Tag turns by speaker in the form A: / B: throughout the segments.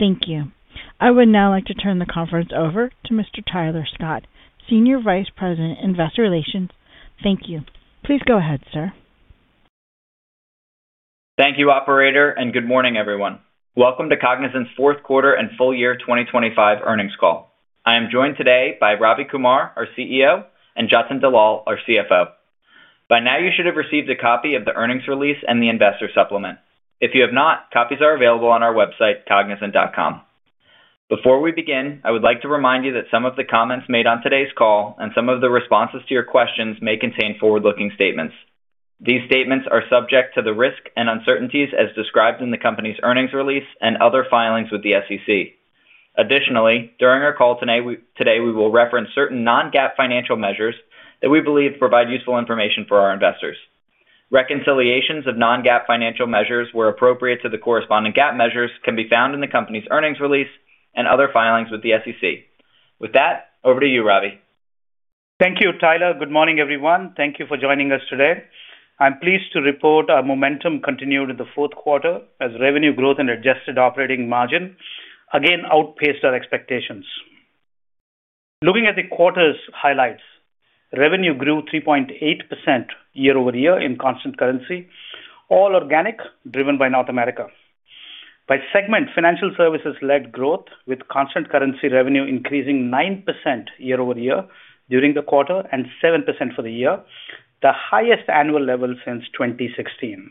A: Thank you. I would now like to turn the conference over to Mr. Tyler Scott, Senior Vice President, Investor Relations. Thank you. Please go ahead, sir.
B: Thank you, operator, and good morning, everyone. Welcome to Cognizant's fourth quarter and full year 2025 earnings call. I am joined today by Ravi Kumar, our CEO, and Jatin Dalal, our CFO. By now, you should have received a copy of the earnings release and the investor supplement. If you have not, copies are available on our website, cognizant.com. Before we begin, I would like to remind you that some of the comments made on today's call and some of the responses to your questions may contain forward-looking statements. These statements are subject to the risk and uncertainties as described in the company's earnings release and other filings with the SEC. Additionally, during our call today, we will reference certain non-GAAP financial measures that we believe provide useful information for our investors. Reconciliations of non-GAAP financial measures, where appropriate to the corresponding GAAP measures, can be found in the company's earnings release and other filings with the SEC. With that, over to you, Ravi.
C: Thank you, Tyler. Good morning, everyone. Thank you for joining us today. I'm pleased to report our momentum continued in the fourth quarter as revenue growth and Adjusted Operating Margin again outpaced our expectations. Looking at the quarter's highlights, revenue grew 3.8% year-over-year in constant currency, all organic, driven by North America. By segment, Financial Services led growth, with constant currency revenue increasing 9% year-over-year during the quarter and 7% for the year, the highest annual level since 2016.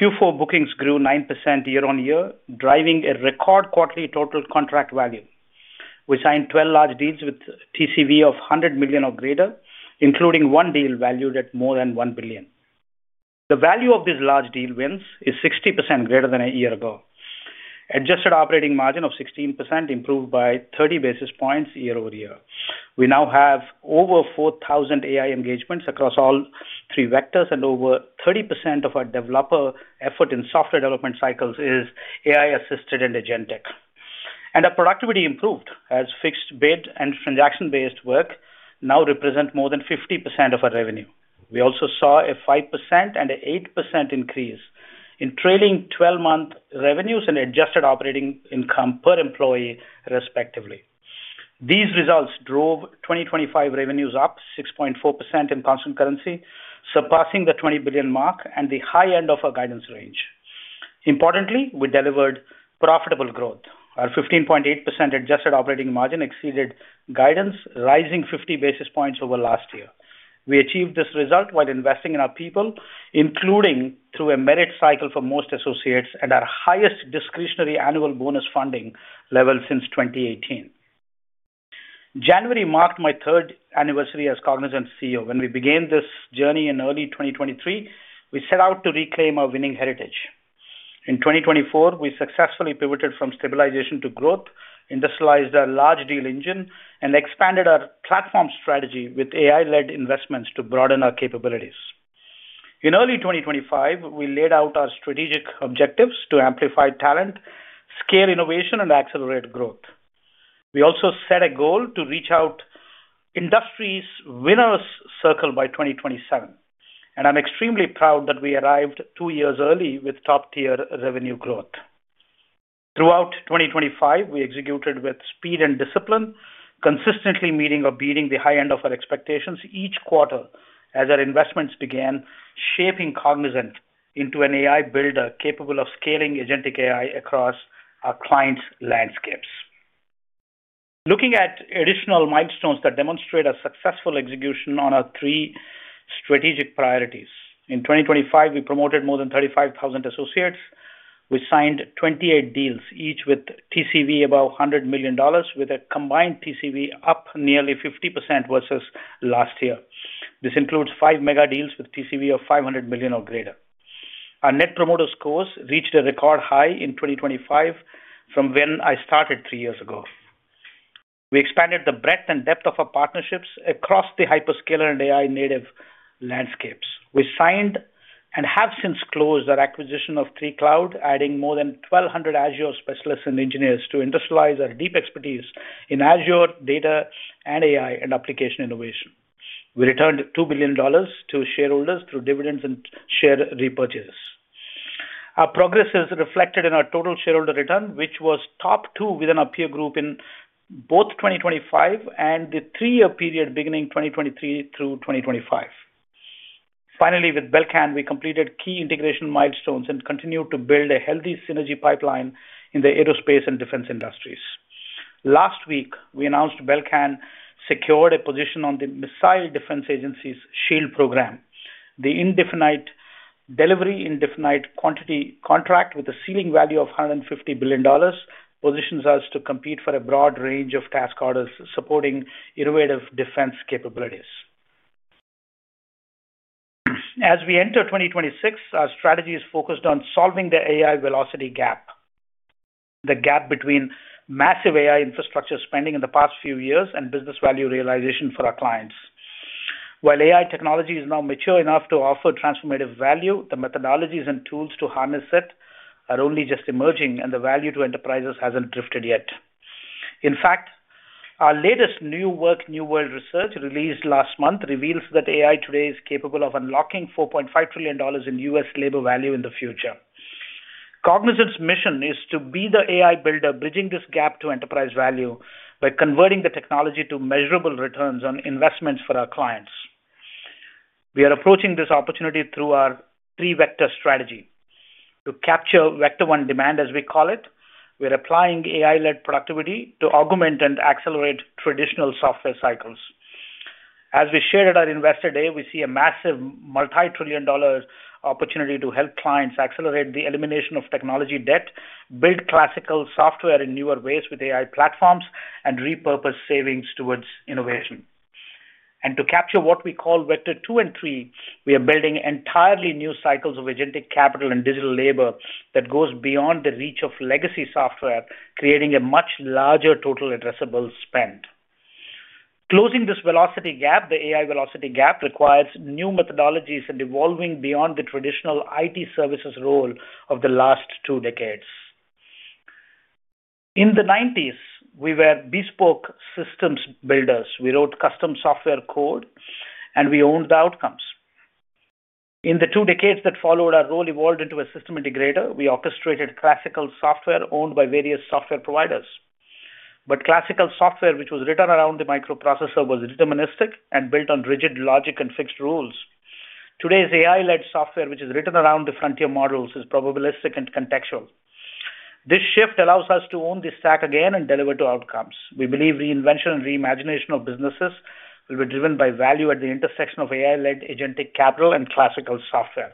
C: Q4 bookings grew 9% year-over-year, driving a record quarterly total contract value. We signed 12 large deals with TCV of $100 million or greater, including one deal valued at more than $1 billion. The value of these large deal wins is 60% greater than a year ago. Adjusted Operating Margin of 16% improved by 30 basis points year-over-year. We now have over 4,000 AI engagements across all three vectors, and over 30% of our developer effort in software development cycles is AI-assisted and agentic. Our productivity improved, as fixed bid and transaction-based work now represent more than 50% of our revenue. We also saw a 5% and an 8% increase in trailing twelve-month revenues and adjusted operating income per employee, respectively. These results drove 2025 revenues up 6.4% in Constant Currency, surpassing the $20 billion mark and the high end of our guidance range. Importantly, we delivered profitable growth. Our 15.8% Adjusted Operating Margin exceeded guidance, rising 50 basis points over last year. We achieved this result while investing in our people, including through a merit cycle for most associates at our highest discretionary annual bonus funding level since 2018. January marked my third anniversary as Cognizant CEO. When we began this journey in early 2023, we set out to reclaim our winning heritage. In 2024, we successfully pivoted from stabilization to growth, industrialized our large deal engine, and expanded our platform strategy with AI-led investments to broaden our capabilities. In early 2025, we laid out our strategic objectives to amplify talent, scale innovation, and accelerate growth. We also set a goal to reach our industry's Winner's Circle by 2027, and I'm extremely proud that we arrived two years early with top-tier revenue growth. Throughout 2025, we executed with speed and discipline, consistently meeting or beating the high end of our expectations each quarter as our investments began shaping Cognizant into an AI builder capable of scaling agentic AI across our clients' landscapes. Looking at additional milestones that demonstrate a successful execution on our three strategic priorities. In 2025, we promoted more than 35,000 associates. We signed 28 deals, each with TCV above $100 million, with a combined TCV up nearly 50% versus last year. This includes five mega deals with TCV of $500 million or greater. Our Net Promoter Scores reached a record high in 2025 from when I started three years ago. We expanded the breadth and depth of our partnerships across the hyperscaler and AI-native landscapes. We signed and have since closed our acquisition of 3Cloud, adding more than 1,200 Azure specialists and engineers to industrialize our deep expertise in Azure data and AI and application innovation. We returned $2 billion to shareholders through dividends and share repurchases. Our progress is reflected in our total shareholder return, which was top two within our peer group in both 2025 and the three-year period beginning 2023 through 2025. Finally, with Belcan, we completed key integration milestones and continued to build a healthy synergy pipeline in the aerospace and defense industries. Last week, we announced Belcan secured a position on the Missile Defense Agency's SHIELD program. The indefinite delivery, indefinite quantity contract with a ceiling value of $150 billion positions us to compete for a broad range of task orders supporting innovative defense capabilities. As we enter 2026, our strategy is focused on solving the AI velocity gap, the gap between massive AI infrastructure spending in the past few years and business value realization for our clients. While AI technology is now mature enough to offer transformative value, the methodologies and tools to harness it are only just emerging, and the value to enterprises hasn't drifted yet. In fact, our latest New Work, New World research, released last month, reveals that AI today is capable of unlocking $4.5 trillion in U.S. labor value in the future. Cognizant's mission is to be the AI builder, bridging this gap to enterprise value by converting the technology to measurable returns on investments for our clients. We are approaching this opportunity through our three vector strategy. To capture Vector One demand, as we call it, we are applying AI-led productivity to augment and accelerate traditional software cycles. As we shared at our Investor Day, we see a massive multi-trillion-dollar opportunity to help clients accelerate the elimination of technology debt, build classical software in newer ways with AI platforms, and repurpose savings towards innovation. To capture what we call Vector Two and Three, we are building entirely new cycles of agentic capital and digital labor that goes beyond the reach of legacy software, creating a much larger total addressable spend. Closing this velocity gap, the AI velocity gap, requires new methodologies and evolving beyond the traditional IT services role of the last two decades. In the nineties, we were bespoke systems builders. We wrote custom software code, and we owned the outcomes. In the two decades that followed, our role evolved into a system integrator. We orchestrated classical software owned by various software providers. But classical software, which was written around the microprocessor, was deterministic and built on rigid logic and fixed rules. Today's AI-led software, which is written around the frontier models, is probabilistic and contextual. This shift allows us to own the stack again and deliver to outcomes. We believe reinvention and reimagination of businesses will be driven by value at the intersection of AI-led agentic capital and classical software.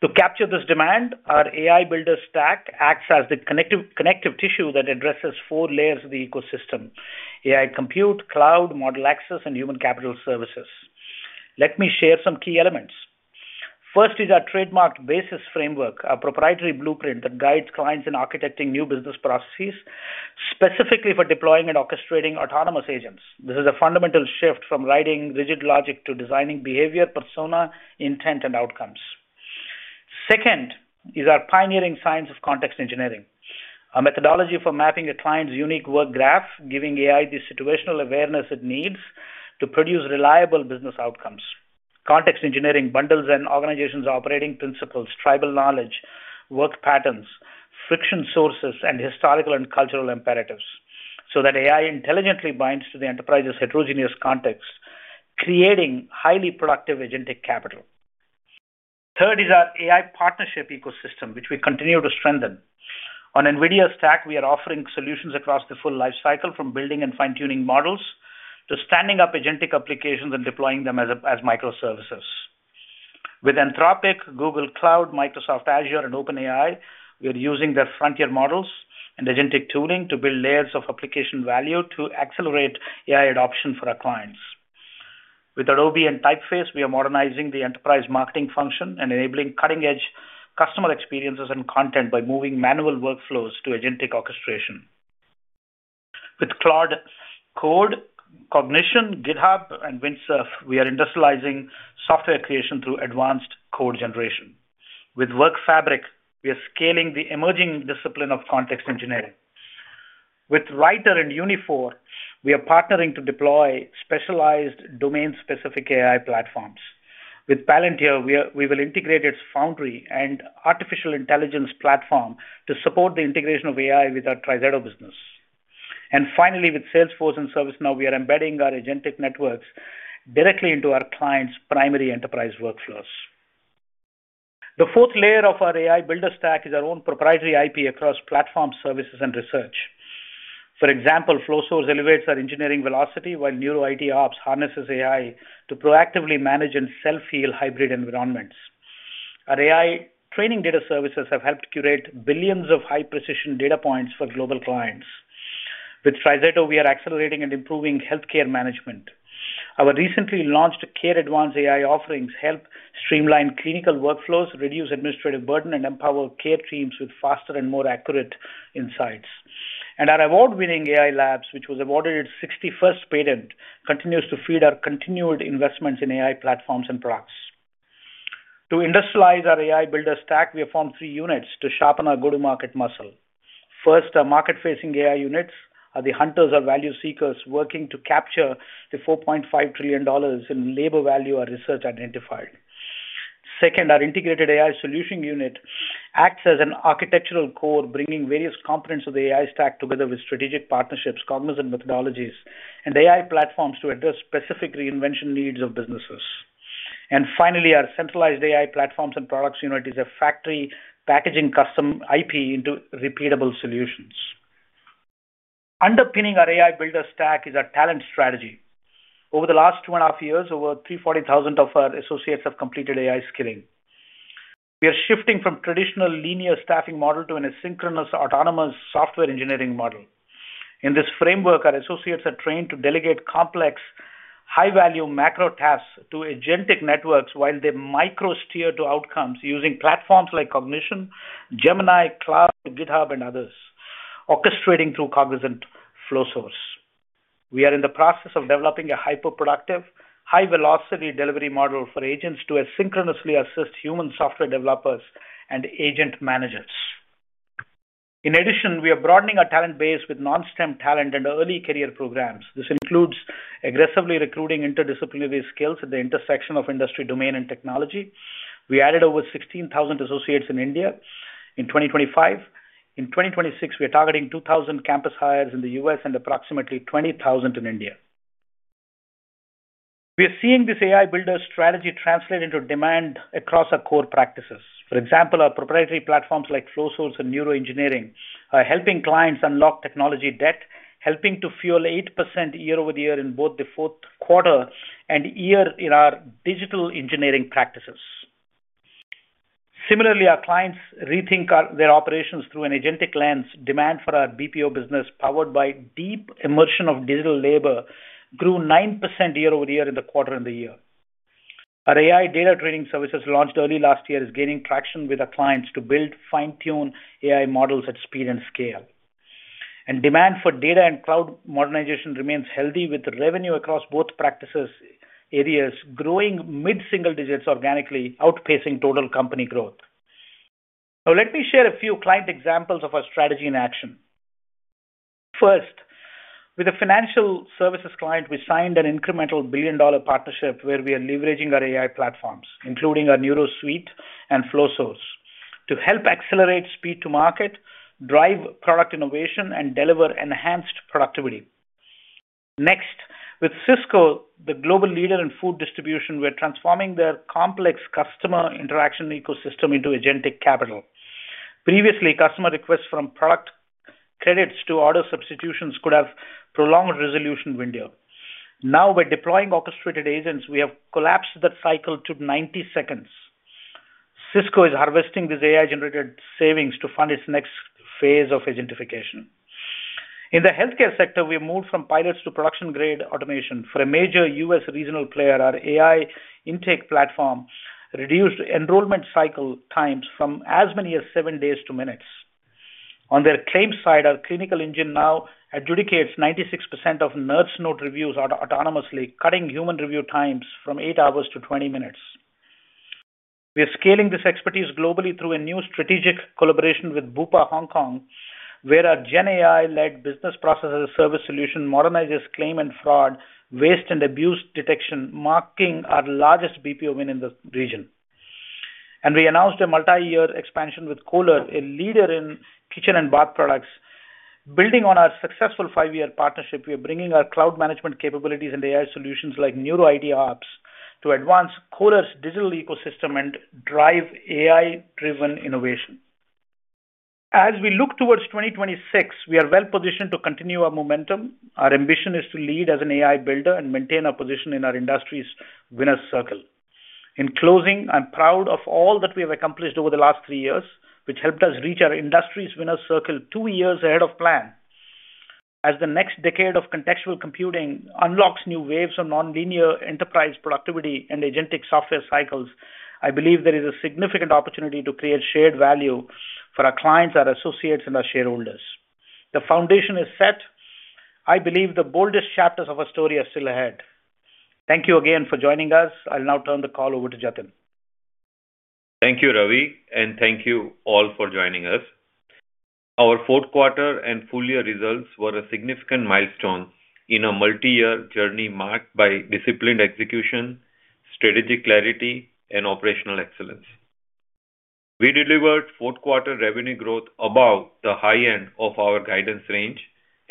C: To capture this demand, our AI builder stack acts as the connective tissue that addresses four layers of the ecosystem: AI compute, cloud, model access, and human capital services. Let me share some key elements. First is our trademarked BASIS framework, a proprietary blueprint that guides clients in architecting new business processes, specifically for deploying and orchestrating autonomous agents. This is a fundamental shift from writing rigid logic to designing behavior, persona, intent, and outcomes. Second is our pioneering science of context engineering, a methodology for mapping a client's unique work graph, giving AI the situational awareness it needs to produce reliable business outcomes. Context engineering bundles an organization's operating principles, tribal knowledge, work patterns, friction sources, and historical and cultural imperatives, so that AI intelligently binds to the enterprise's heterogeneous context, creating highly productive agentic capital. Third is our AI partnership ecosystem, which we continue to strengthen. On NVIDIA stack, we are offering solutions across the full life cycle, from building and fine-tuning models, to standing up agentic applications and deploying them as microservices. With Anthropic, Google Cloud, Microsoft Azure, and OpenAI, we are using their frontier models and agentic tuning to build layers of application value to accelerate AI adoption for our clients. With Adobe and Typeface, we are modernizing the enterprise marketing function and enabling cutting-edge customer experiences and content by moving manual workflows to agentic orchestration. With Cloud Code, Cognition, GitHub, and Windsurf, we are industrializing software creation through advanced code generation. With Work Fabric, we are scaling the emerging discipline of context engineering. With Writer and Uniphore, we are partnering to deploy specialized domain-specific AI platforms. With Palantir, we will integrate its foundry and artificial intelligence platform to support the integration of AI with our TriZetto business. And finally, with Salesforce and ServiceNow, we are embedding our agentic networks directly into our clients' primary enterprise workflows. The fourth layer of our AI builder stack is our own proprietary IP across platforms, services, and research. For example, Flowsource elevates our engineering velocity, while Neuro IT Ops harnesses AI to proactively manage and self-heal hybrid environments. Our AI training data services have helped curate billions of high-precision data points for global clients. With TriZetto, we are accelerating and improving healthcare management. Our recently launched Care Advance AI offerings help streamline clinical workflows, reduce administrative burden, and empower care teams with faster and more accurate insights. And our award-winning AI labs, which was awarded its 61st patent, continues to feed our continued investments in AI platforms and products. To industrialize our AI builder stack, we have formed three units to sharpen our go-to-market muscle. First, our market-facing AI units are the hunters or value seekers working to capture the $4.5 trillion in labor value our research identified. Second, our integrated AI solution unit acts as an architectural core, bringing various components of the AI stack together with strategic partnerships, Cognizant methodologies, and AI platforms to address specific reinvention needs of businesses. Finally, our centralized AI platforms and products unit is a factory packaging custom IP into repeatable solutions. Underpinning our AI builder stack is our talent strategy. Over the last two and a half years, over 340,000 of our associates have completed AI skilling. We are shifting from traditional linear staffing model to an asynchronous, autonomous software engineering model. In this framework, our associates are trained to delegate complex, high-value macro tasks to agentic networks while they micro steer to outcomes using platforms like Cognition, Gemini, Cloud, GitHub, and others, orchestrating through Cognizant Flowsource. We are in the process of developing a hyper-productive, high-velocity delivery model for agents to asynchronously assist human software developers and agent managers. In addition, we are broadening our talent base with non-STEM talent and early career programs. This includes aggressively recruiting interdisciplinary skills at the intersection of industry, domain, and technology. We added over 16,000 associates in India in 2025. In 2026, we are targeting 2,000 campus hires in the U.S. and approximately 20,000 associates in India. We are seeing this AI builder strategy translate into demand across our core practices. For example, our proprietary platforms like Flowsource and Neuro Engineering are helping clients unlock technology debt, helping to fuel 8% year-over-year in both the fourth quarter and year in our digital engineering practices. Similarly, our clients rethink their operations through an agentic lens. Demand for our BPO business, powered by deep immersion of digital labor, grew 9% year-over-year in the quarter and the year. Our AI data training services, launched early last year, is gaining traction with our clients to build fine-tune AI models at speed and scale. Demand for data and cloud modernization remains healthy, with revenue across both practice areas growing mid-single digits organically, outpacing total company growth. Now, let me share a few client examples of our strategy in action. First, with a Financial Services client, we signed an incremental billion-dollar partnership where we are leveraging our AI platforms, including our Neuro Suite and Flowsource, to help accelerate speed to market, drive product innovation, and deliver enhanced productivity. Next, with Sysco, the global leader in food distribution, we are transforming their complex customer interaction ecosystem into agentic capital. Previously, customer requests from product credits to order substitutions could have prolonged resolution window. Now, by deploying orchestrated agents, we have collapsed that cycle to 90 seconds. Sysco is harvesting this AI-generated savings to fund its next phase of agentification. In the healthcare sector, we moved from pilots to production-grade automation. For a major U.S. regional player, our AI intake platform reduced enrollment cycle times from as many as seven days to minutes. On their claims side, our clinical engine now adjudicates 96% of nurse note reviews autonomously, cutting human review times from eight hours to 20 minutes. We are scaling this expertise globally through a new strategic collaboration with Bupa Hong Kong, where our GenAI-led business process as a service solution modernizes claim and fraud, waste and abuse detection, marking our largest BPO win in the region. We announced a multi-year expansion with Kohler, a leader in kitchen and bath products. Building on our successful five-year partnership, we are bringing our cloud management capabilities and AI solutions like Neuro IT Ops to advance Kohler's digital ecosystem and drive AI-driven innovation. As we look towards 2026, we are well-positioned to continue our momentum. Our ambition is to lead as an AI builder and maintain our position in our industry's winner's circle. In closing, I'm proud of all that we have accomplished over the last three years, which helped us reach our industry's winner's circle two years ahead of plan. As the next decade of contextual computing unlocks new waves of nonlinear enterprise productivity and agentic software cycles, I believe there is a significant opportunity to create shared value for our clients, our associates, and our shareholders. The foundation is set. I believe the boldest chapters of our story are still ahead. Thank you again for joining us. I'll now turn the call over to Jatin.
D: Thank you, Ravi, and thank you all for joining us. Our fourth quarter and full year results were a significant milestone in a multi-year journey marked by disciplined execution, strategic clarity, and operational excellence. We delivered fourth quarter revenue growth above the high end of our guidance range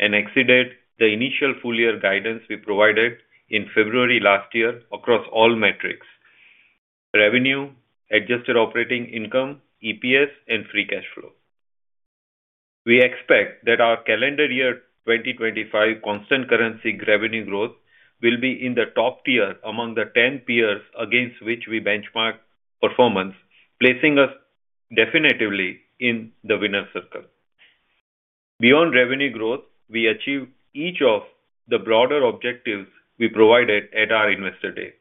D: and exceeded the initial full year guidance we provided in February last year across all metrics: revenue, adjusted operating income, EPS, and free cash flow. We expect that our calendar year 2025 constant currency revenue growth will be in the top tier among the 10 peers against which we benchmark performance, placing us definitively in the winner's circle. Beyond revenue growth, we achieved each of the broader objectives we provided at our Investor Day.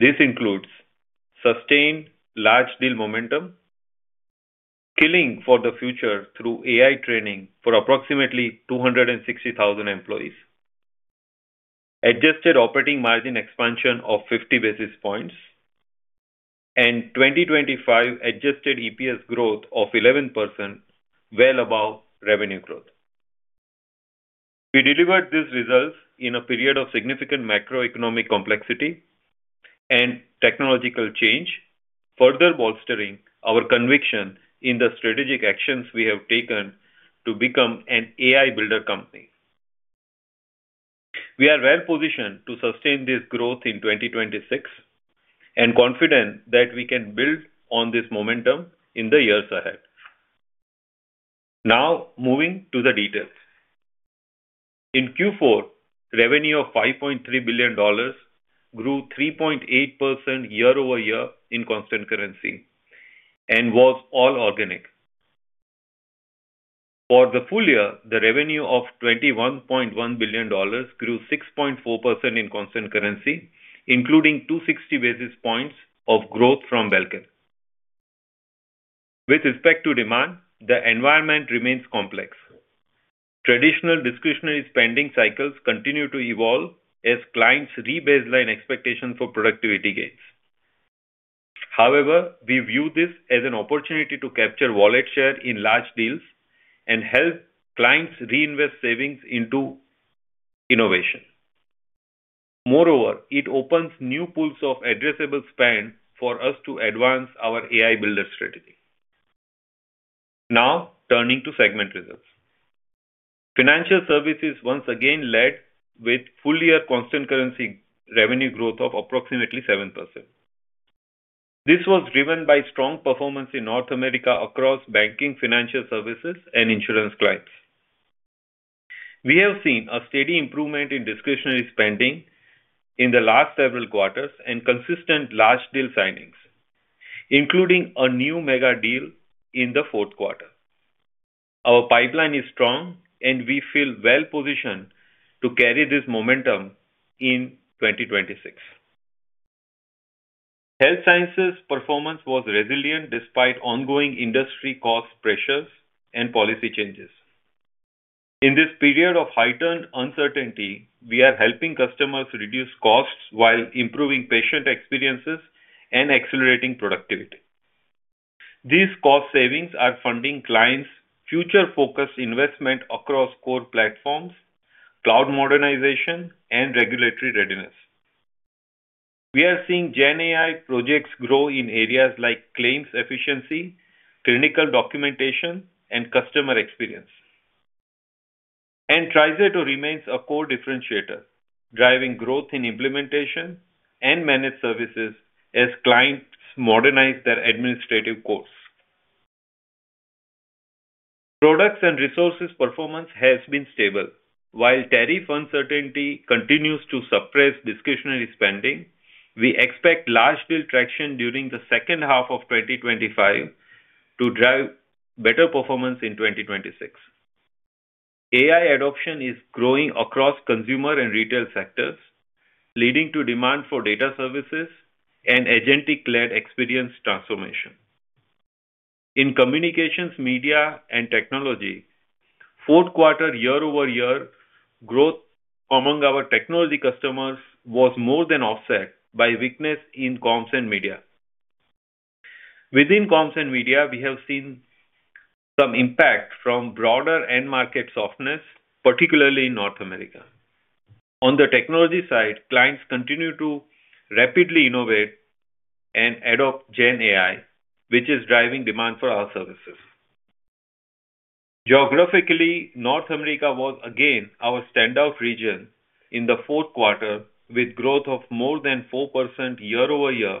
D: This includes sustained large deal momentum, skilling for the future through AI training for approximately 260,000 employees, adjusted operating margin expansion of 50 basis points, and 2025 adjusted EPS growth of 11%, well above revenue growth. We delivered these results in a period of significant macroeconomic complexity and technological change, further bolstering our conviction in the strategic actions we have taken to become an AI builder company. We are well positioned to sustain this growth in 2026 and confident that we can build on this momentum in the years ahead. Now, moving to the details. In Q4, revenue of $5.3 billion grew 3.8% year-over-year in constant currency and was all organic. For the full year, the revenue of $21.1 billion grew 6.4% in constant currency, including 260 basis points of growth from Belcan. With respect to demand, the environment remains complex. Traditional discretionary spending cycles continue to evolve as clients rebaseline expectations for productivity gains. However, we view this as an opportunity to capture wallet share in large deals and help clients reinvest savings into innovation. Moreover, it opens new pools of addressable spend for us to advance our AI builder strategy. Now, turning to segment results. Financial services once again led with full-year constant currency revenue growth of approximately 7%. This was driven by strong performance in North America across Banking, Financial Services, and Insurance clients. We have seen a steady improvement in discretionary spending in the last several quarters and consistent large deal signings, including a new mega deal in the fourth quarter. Our pipeline is strong, and we feel well positioned to carry this momentum in 2026. Health Sciences' performance was resilient despite ongoing industry cost pressures and policy changes. In this period of heightened uncertainty, we are helping customers reduce costs while improving patient experiences and accelerating productivity. These cost savings are funding clients' future-focused investment across core platforms, cloud modernization, and regulatory readiness. We are seeing GenAI projects grow in areas like claims efficiency, clinical documentation, and customer experience. And TriZetto remains a core differentiator, driving growth in implementation and managed services as clients modernize their administrative core. Products and Resources performance has been stable. While tariff uncertainty continues to suppress discretionary spending, we expect large deal traction during the second half of 2025 to drive better performance in 2026. AI adoption is growing across Consumer and Retail sectors, leading to demand for data services and agentic-led experience transformation. In Communications, Media, and Technology, fourth quarter year-over-year growth among our technology customers was more than offset by weakness in Comms and Media. Within Comms and Media, we have seen some impact from broader end market softness, particularly in North America. On the technology side, clients continue to rapidly innovate and adopt GenAI, which is driving demand for our services. Geographically, North America was again our standout region in the fourth quarter, with growth of more than 4% year-over-year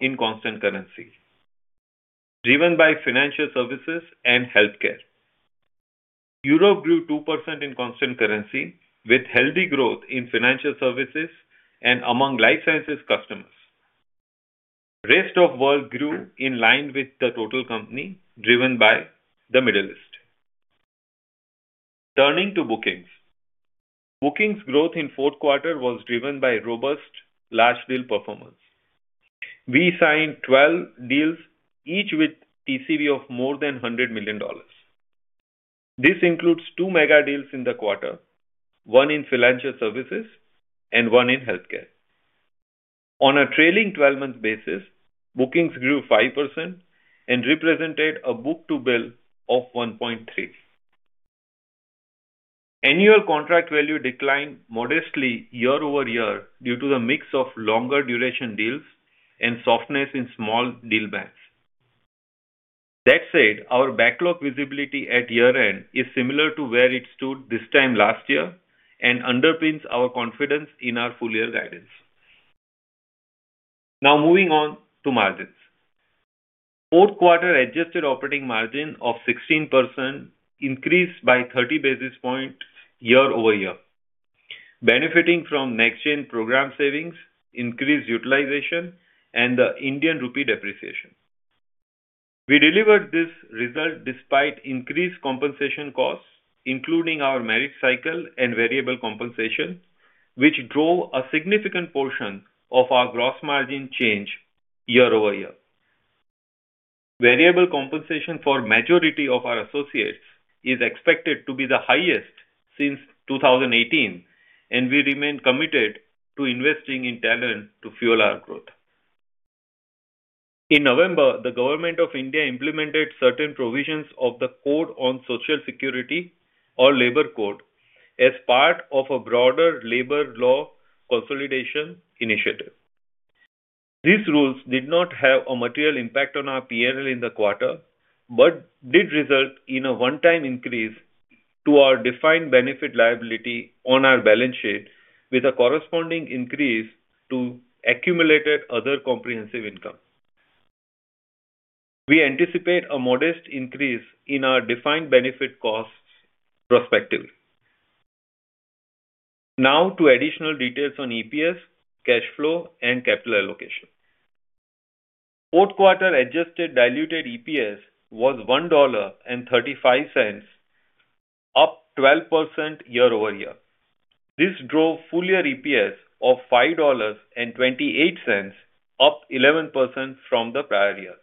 D: in constant currency, driven by Financial Services and healthcare. Europe grew 2% in constant currency, with healthy growth in Financial Services and among Life Sciences customers. Rest of World grew in line with the total company, driven by the Middle East. Turning to bookings. Bookings growth in fourth quarter was driven by robust large deal performance. We signed 12 deals, each with TCV of more than $100 million. This includes two mega deals in the quarter, one in Financial Services and one in healthcare. On a trailing 12-month basis, bookings grew 5% and represented a book-to-bill of 1.3. Annual contract value declined modestly year-over-year due to the mix of longer-duration deals and softness in small deal banks. That said, our backlog visibility at year-end is similar to where it stood this time last year and underpins our confidence in our full-year guidance. Now, moving on to margins. Fourth quarter adjusted operating margin of 16% increased by 30 basis points year-over-year, benefiting from next-gen program savings, increased utilization, and the Indian rupee depreciation. We delivered this result despite increased compensation costs, including our merit cycle and variable compensation, which drove a significant portion of our gross margin change year-over-year. Variable compensation for majority of our associates is expected to be the highest since 2018, and we remain committed to investing in talent to fuel our growth. In November, the government of India implemented certain provisions of the Code on Social Security, or Labor Code, as part of a broader labor law consolidation initiative. These rules did not have a material impact on our P&L in the quarter, but did result in a one-time increase to our defined benefit liability on our balance sheet, with a corresponding increase to accumulated other comprehensive income. We anticipate a modest increase in our defined benefit costs prospectively. Now to additional details on EPS, cash flow, and capital allocation. Fourth quarter adjusted diluted EPS was $1.35, up 12% year-over-year. This drove full-year EPS of $5.28, up 11% from the prior year.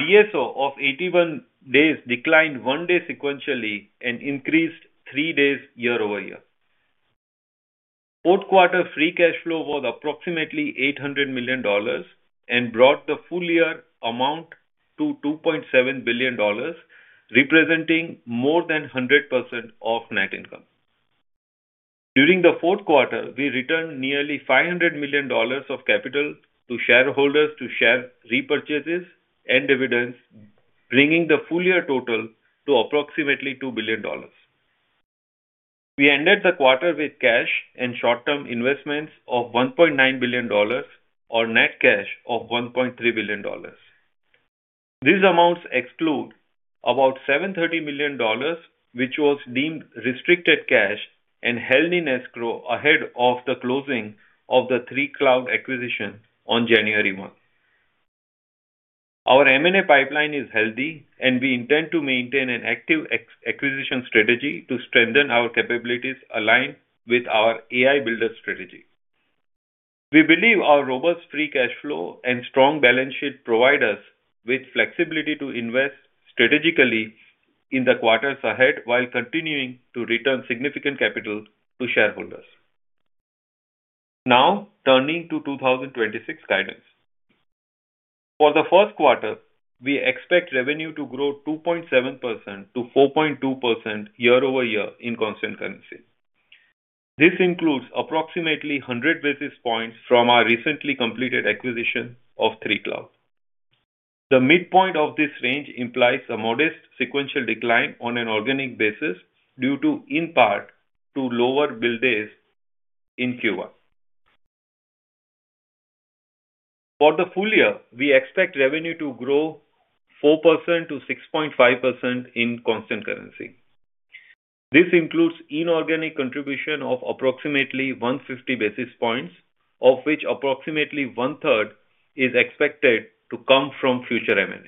D: DSO of 81 days declined one day sequentially and increased three days year-over-year. Fourth quarter free cash flow was approximately $800 million, and brought the full year amount to $2.7 billion, representing more than 100% of net income. During the fourth quarter, we returned nearly $500 million of capital to shareholders through share repurchases and dividends, bringing the full year total to approximately $2 billion. We ended the quarter with cash and short-term investments of $1.9 billion, or net cash of $1.3 billion. These amounts exclude about $730 million, which was deemed restricted cash and held in escrow ahead of the closing of the 3Cloud acquisition on January month. Our M&A pipeline is healthy, and we intend to maintain an active acquisition strategy to strengthen our capabilities aligned with our AI builder strategy. We believe our robust free cash flow and strong balance sheet provide us with flexibility to invest strategically in the quarters ahead, while continuing to return significant capital to shareholders. Now, turning to 2026 guidance. For the first quarter, we expect revenue to grow 2.7%-4.2% year-over-year in constant currency. This includes approximately 100 basis points from our recently completed acquisition of 3Cloud. The midpoint of this range implies a modest sequential decline on an organic basis, due, in part, to lower bill days in Q1. For the full year, we expect revenue to grow 4%-6.5% in constant currency. This includes inorganic contribution of approximately 150 basis points, of which approximately 1/3 is expected to come from future M&A.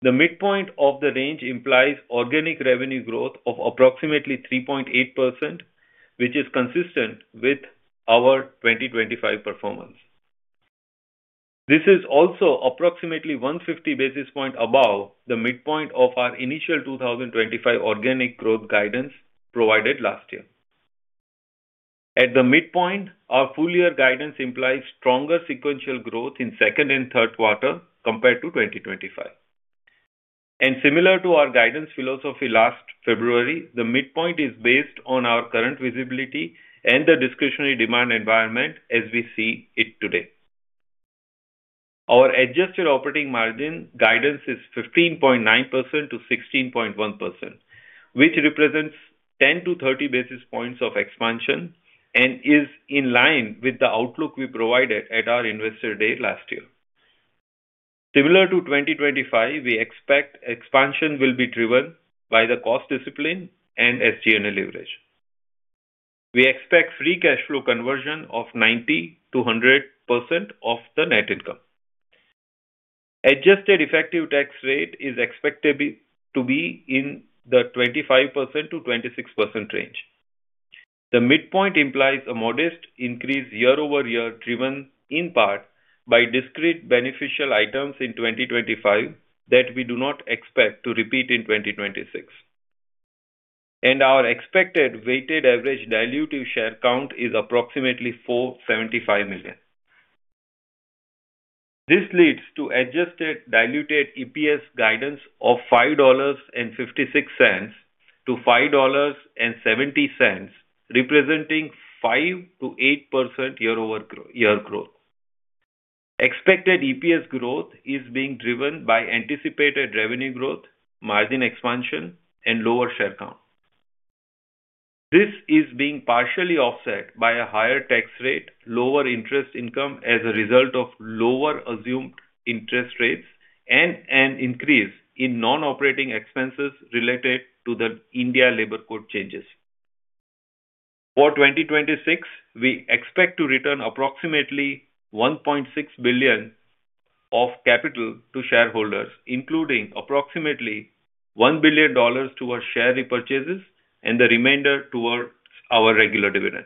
D: The midpoint of the range implies organic revenue growth of approximately 3.8%, which is consistent with our 2025 performance. This is also approximately 150 basis points above the midpoint of our initial 2025 organic growth guidance provided last year. At the midpoint, our full year guidance implies stronger sequential growth in second and third quarter compared to 2025. Similar to our guidance philosophy last February, the midpoint is based on our current visibility and the discretionary demand environment as we see it today. Our adjusted operating margin guidance is 15.9%-16.1%, which represents 10 basis points to 30 basis points of expansion and is in line with the outlook we provided at our Investor Day last year. Similar to 2025, we expect expansion will be driven by the cost discipline and SG&A leverage. We expect free cash flow conversion of 90%-100% of the net income. Adjusted effective tax rate is expected to be in the 25%-26% range. The midpoint implies a modest increase year-over-year, driven in part by discrete beneficial items in 2025 that we do not expect to repeat in 2026. Our expected weighted average dilutive share count is approximately 475 million. This leads to adjusted diluted EPS guidance of $5.56-$5.70, representing 5%-8% year-over-year growth. Expected EPS growth is being driven by anticipated revenue growth, margin expansion, and lower share count. This is being partially offset by a higher tax rate, lower interest income as a result of lower assumed interest rates, and an increase in non-operating expenses related to the India labor code changes. For 2026, we expect to return approximately $1.6 billion of capital to shareholders, including approximately $1 billion towards share repurchases and the remainder towards our regular dividend.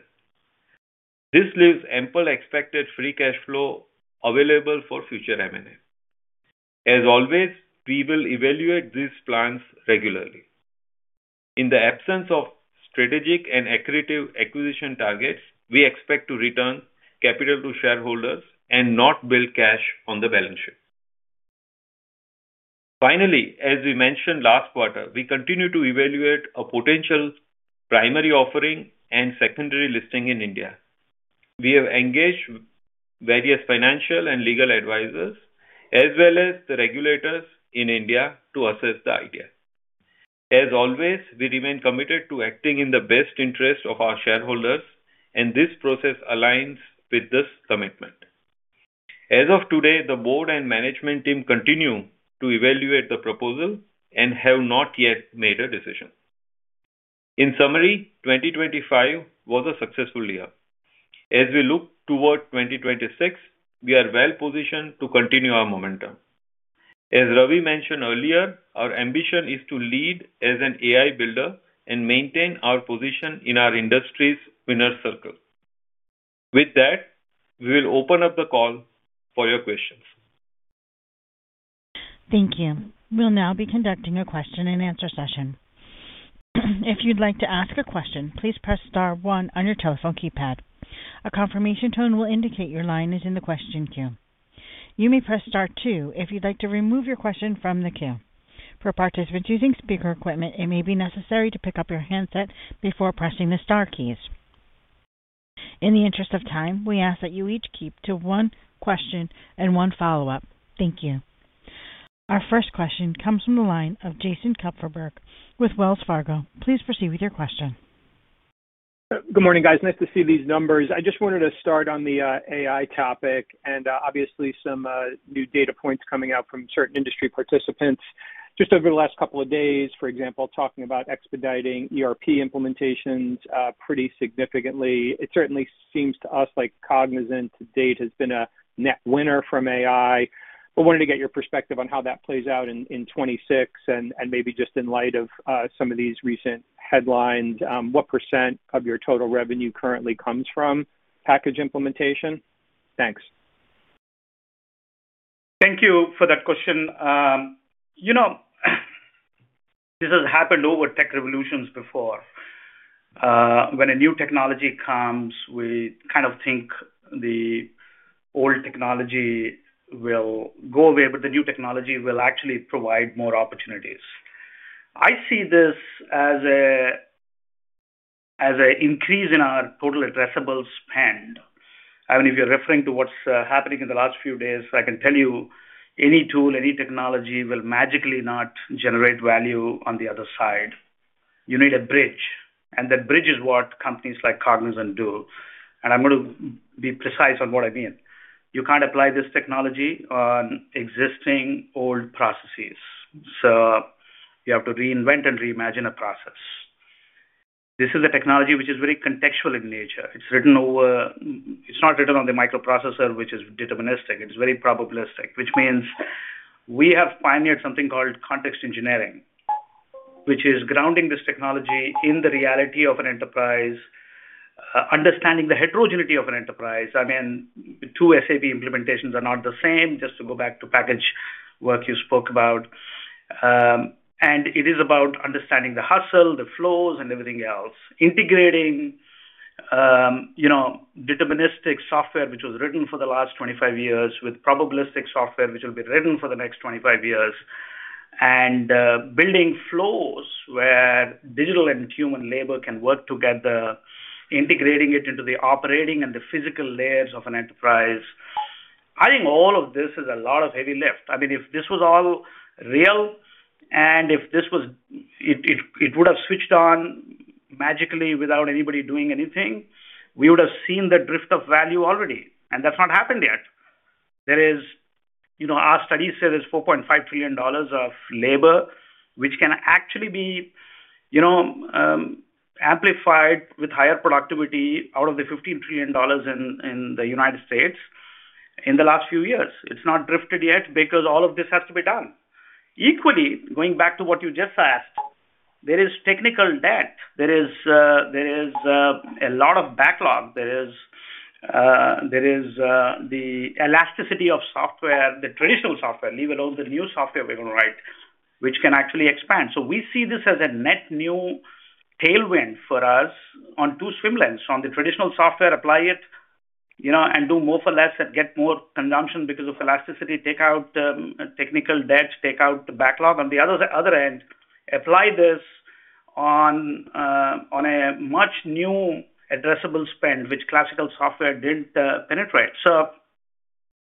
D: This leaves ample expected free cash flow available for future M&A. As always, we will evaluate these plans regularly. In the absence of strategic and accretive acquisition targets, we expect to return capital to shareholders and not build cash on the balance sheet. Finally, as we mentioned last quarter, we continue to evaluate a potential primary offering and secondary listing in India. We have engaged various financial and legal advisors, as well as the regulators in India to assess the idea. As always, we remain committed to acting in the best interest of our shareholders, and this process aligns with this commitment. As of today, the board and management team continue to evaluate the proposal and have not yet made a decision. In summary, 2025 was a successful year. As we look toward 2026, we are well positioned to continue our momentum. As Ravi mentioned earlier, our ambition is to lead as an AI builder and maintain our position in our industry's winner's circle. With that, we will open up the call for your questions.
A: Thank you. We'll now be conducting a question-and-answer session. If you'd like to ask a question, please press star one on your telephone keypad. A confirmation tone will indicate your line is in the question queue. You may press star two if you'd like to remove your question from the queue. For participants using speaker equipment, it may be necessary to pick up your handset before pressing the star keys. In the interest of time, we ask that you each keep to one question and one follow-up. Thank you. Our first question comes from the line of Jason Kupferberg with Wells Fargo. Please proceed with your question.
E: Good morning, guys. Nice to see these numbers. I just wanted to start on the AI topic and obviously some new data points coming out from certain industry participants just over the last couple of days, for example, talking about expediting ERP implementations pretty significantly. It certainly seems to us like Cognizant to date has been a net winner from AI, but wanted to get your perspective on how that plays out in 2026 and maybe just in light of some of these recent headlines, what percent of your total revenue currently comes from package implementation? Thanks.
C: Thank you for that question. You know, this has happened over tech revolutions before. When a new technology comes, we kind of think the old technology will go away, but the new technology will actually provide more opportunities. I see this as a, as a increase in our total addressable spend. I mean, if you're referring to what's happening in the last few days, I can tell you any tool, any technology will magically not generate value on the other side. You need a bridge, and that bridge is what companies like Cognizant do. And I'm going to be precise on what I mean. You can't apply this technology on existing old processes, so you have to reinvent and reimagine a process. This is a technology which is very contextual in nature. It's written over-- It's not written on the microprocessor, which is deterministic. It's very probabilistic, which means we have pioneered something called context engineering, which is grounding this technology in the reality of an enterprise, understanding the heterogeneity of an enterprise. I mean, two SAP implementations are not the same, just to go back to package work you spoke about. And it is about understanding the hustle, the flows, and everything else. Integrating, you know, deterministic software, which was written for the last 25 years, with probabilistic software, which will be written for the next 25 years. And building flows where digital and human labor can work together, integrating it into the operating and the physical layers of an enterprise. I think all of this is a lot of heavy lift. I mean, if this was all real and if this was... It would have switched on magically without anybody doing anything, we would have seen the drift of value already, and that's not happened yet. There is, you know, our study said there's $4.5 trillion of labor, which can actually be, you know, amplified with higher productivity out of the $15 trillion in the United States in the last few years. It's not drifted yet because all of this has to be done. Equally, going back to what you just asked, there is technical debt. There is a lot of backlog. There is the elasticity of software, the traditional software, leave it all the new software we're going to write, which can actually expand. So we see this as a net new tailwind for us on two swim lanes. From the traditional software, apply it, you know, and do more for less and get more consumption because of elasticity, take out technical debt, take out the backlog. On the other end, apply this on a much new addressable spend, which classical software didn't penetrate. So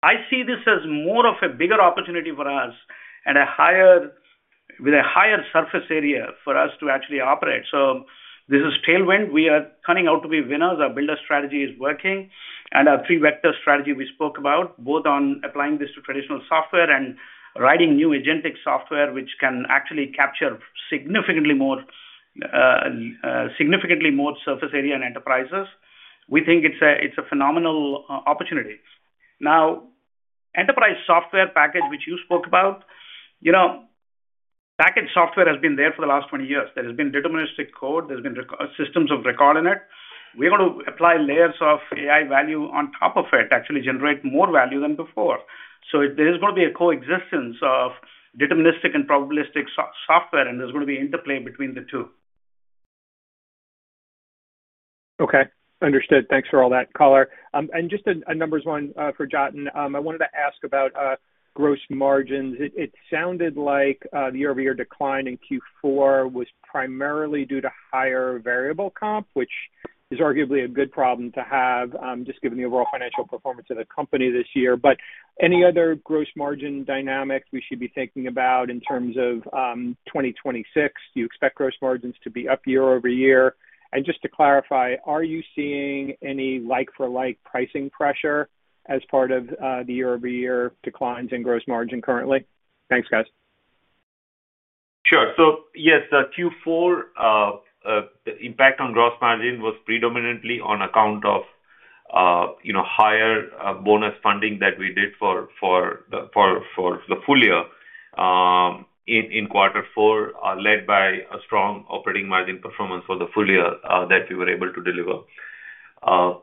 C: I see this as more of a bigger opportunity for us and a higher—with a higher surface area for us to actually operate. So this is tailwind. We are turning out to be winners. Our builder strategy is working, and our three vector strategy we spoke about, both on applying this to traditional software and writing new agentic software, which can actually capture significantly more significantly more surface area and enterprises. We think it's a, it's a phenomenal opportunity. Now, enterprise software package, which you spoke about, you know, package software has been there for the last 20 years. There has been deterministic code. There's been systems of record in it. We're going to apply layers of AI value on top of it, actually generate more value than before. So there is going to be a coexistence of deterministic and probabilistic software, and there's going to be interplay between the two.
E: Okay, understood. Thanks for all that color. And just a numbers one for Jatin. I wanted to ask about gross margins. It sounded like the year-over-year decline in Q4 was primarily due to higher variable comp, which is arguably a good problem to have, just given the overall financial performance of the company this year. But any other gross margin dynamics we should be thinking about in terms of 2026? Do you expect gross margins to be up year-over-year? And just to clarify, are you seeing any like for like pricing pressure as part of the year-over-year declines in gross margin currently? Thanks, guys.
D: Sure. So yes, Q4 impact on gross margin was predominantly on account of, you know, higher bonus funding that we did for the full year in quarter four, led by a strong operating margin performance for the full year that we were able to deliver.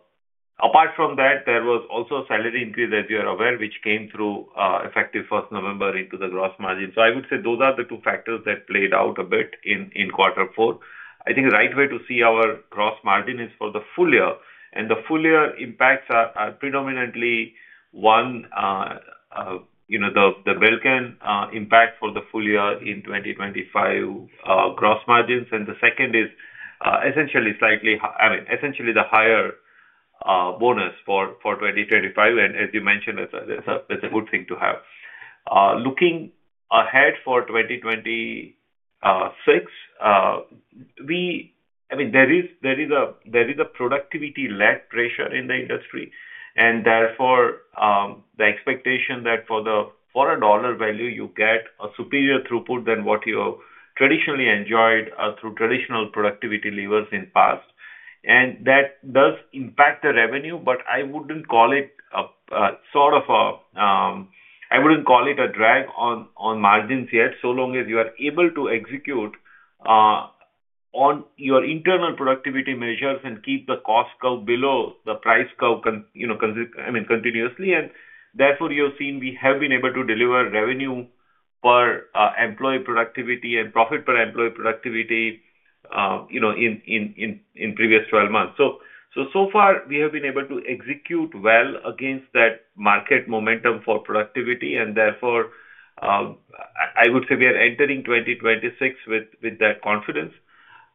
D: Apart from that, there was also a salary increase, as you are aware, which came through effective first November into the gross margin. So I would say those are the two factors that played out a bit in quarter four. I think the right way to see our gross margin is for the full year, and the full year impacts are predominantly one, you know, the Belcan impact for the full year in 2025 gross margins. And the second is essentially slightly, I mean, essentially the higher bonus for 2025. And as you mentioned, it's a good thing to have. Looking ahead for 2026, I mean, there is a productivity lag pressure in the industry, and therefore the expectation that for a dollar value, you get a superior throughput than what you traditionally enjoyed through traditional productivity levers in past. And that does impact the revenue, but I wouldn't call it a sort of a drag on margins yet, so long as you are able to execute on your internal productivity measures and keep the cost curve below the price curve, you know, continuously. Therefore, you have seen we have been able to deliver revenue per employee productivity and profit per employee productivity, you know, in previous 12 months. So far, we have been able to execute well against that market momentum for productivity, and therefore, I would say we are entering 2026 with that confidence.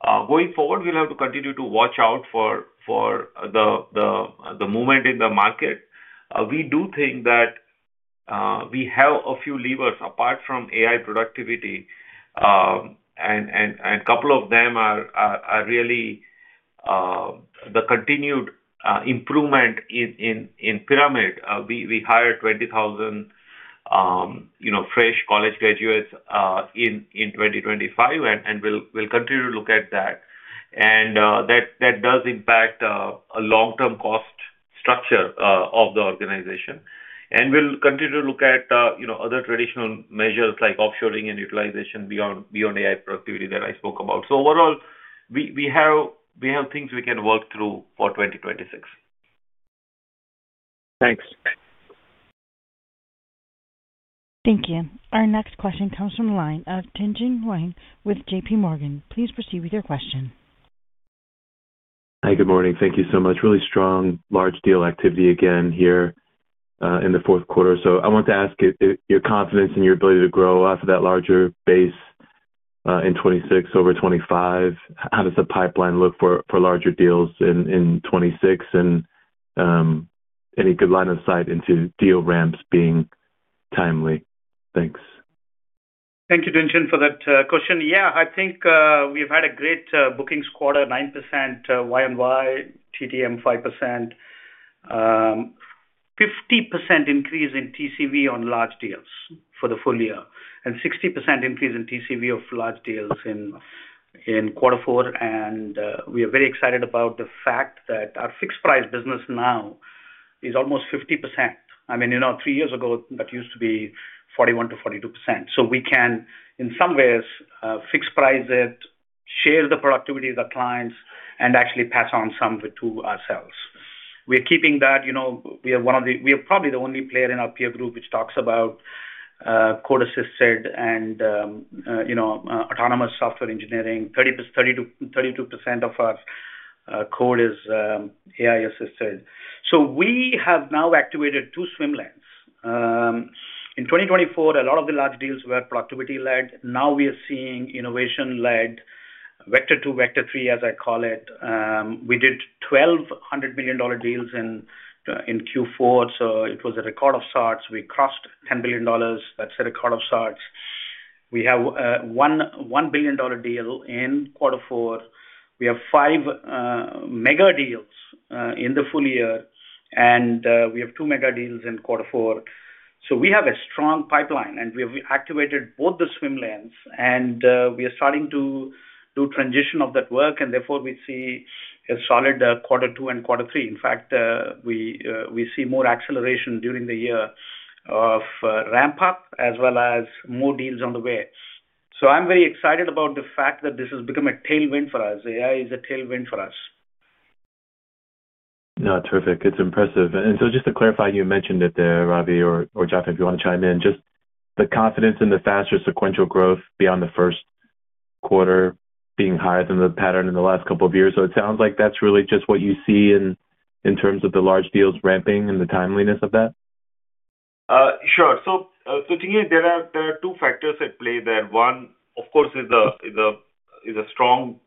D: Going forward, we'll have to continue to watch out for the movement in the market. We do think that we have a few levers apart from AI productivity, and a couple of them are really the continued improvement in pyramid. We hired 20,000, you know, fresh college graduates in 2025, and we'll continue to look at that. That does impact a long-term cost structure of the organization. We'll continue to look at, you know, other traditional measures like offshoring and utilization beyond AI productivity that I spoke about. So overall, we have things we can work through for 2026.
E: Thanks.
A: Thank you. Our next question comes from the line of Tien-tsin Huang with JP Morgan. Please proceed with your question.
F: Hi, good morning. Thank you so much. Really strong, large deal activity again here, in the fourth quarter. So I want to ask you, your confidence in your ability to grow off of that larger base, in 2026 over 2025. How does the pipeline look for larger deals in 2026? And, any good line of sight into deal ramps being timely? Thanks.
C: Thank you, Tien-tsin, for that question. Yeah, I think we've had a great bookings quarter, 9% Y on Y, TDM 5%, 50% increase in TCV on large deals for the full year, and 60% increase in TCV of large deals in quarter four. We are very excited about the fact that our fixed price business now is almost 50%. I mean, you know, three years ago, that used to be 41%-42%. So we can, in some ways, fix price it, share the productivity of the clients, and actually pass on some of it to ourselves. We're keeping that, you know, we are one of the, we are probably the only player in our peer group which talks about code-assisted and, you know, autonomous software engineering. 30%-32% of our code is AI-assisted. So we have now activated two swim lanes. In 2024, a lot of the large deals were productivity-led. Now we are seeing innovation-led, Vector two, Vector three, as I call it. We did $1.2 billion deals in Q4, so it was a record of sorts. We crossed $10 billion. That's a record of sorts. We have one $1 billion deal in quarter four. \We have five mega deals in the full year, and we have two mega deals in quarter four. So we have a strong pipeline, and we have activated both the swim lanes, and we are starting to do transition of that work, and therefore we see a solid quarter two and quarter three. In fact, we see more acceleration during the year of ramp up as well as more deals on the way. So I'm very excited about the fact that this has become a tailwind for us. AI is a tailwind for us.
F: Yeah, terrific. It's impressive. And so just to clarify, you mentioned it there, Ravi or Jatin, if you wanna chime in, just the confidence in the faster sequential growth beyond the first quarter being higher than the pattern in the last couple of years. So it sounds like that's really just what you see in terms of the large deals ramping and the timeliness of that.
D: Sure. So, Tien-tsin, there are two factors at play there. One, of course, is a strong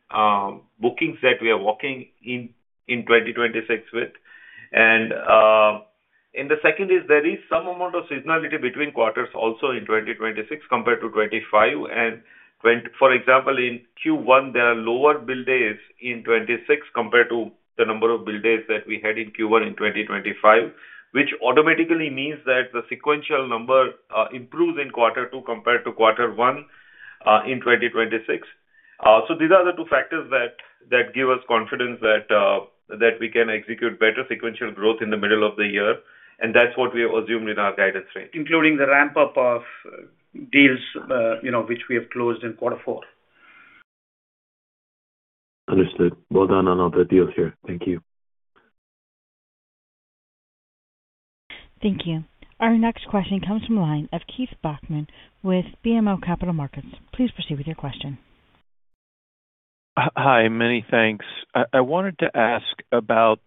D: bookings that we are working in 2026 with. And the second is there is some amount of seasonality between quarters also in 2026 compared to 2025. And when, for example, in Q1, there are lower bill days in 2026 compared to the number of bill days that we had in Q1 in 2025, which automatically means that the sequential number improves in quarter two compared to quarter one in 2026. So these are the two factors that give us confidence that we can execute better sequential growth in the middle of the year, and that's what we have assumed in our guidance range.
C: Including the ramp-up of deals, you know, which we have closed in quarter four.
F: Understood. Well done on all the deals here. Thank you.
A: Thank you. Our next question comes from the line of Keith Bachman with BMO Capital Markets. Please proceed with your question.
G: Hi, many thanks. I wanted to ask about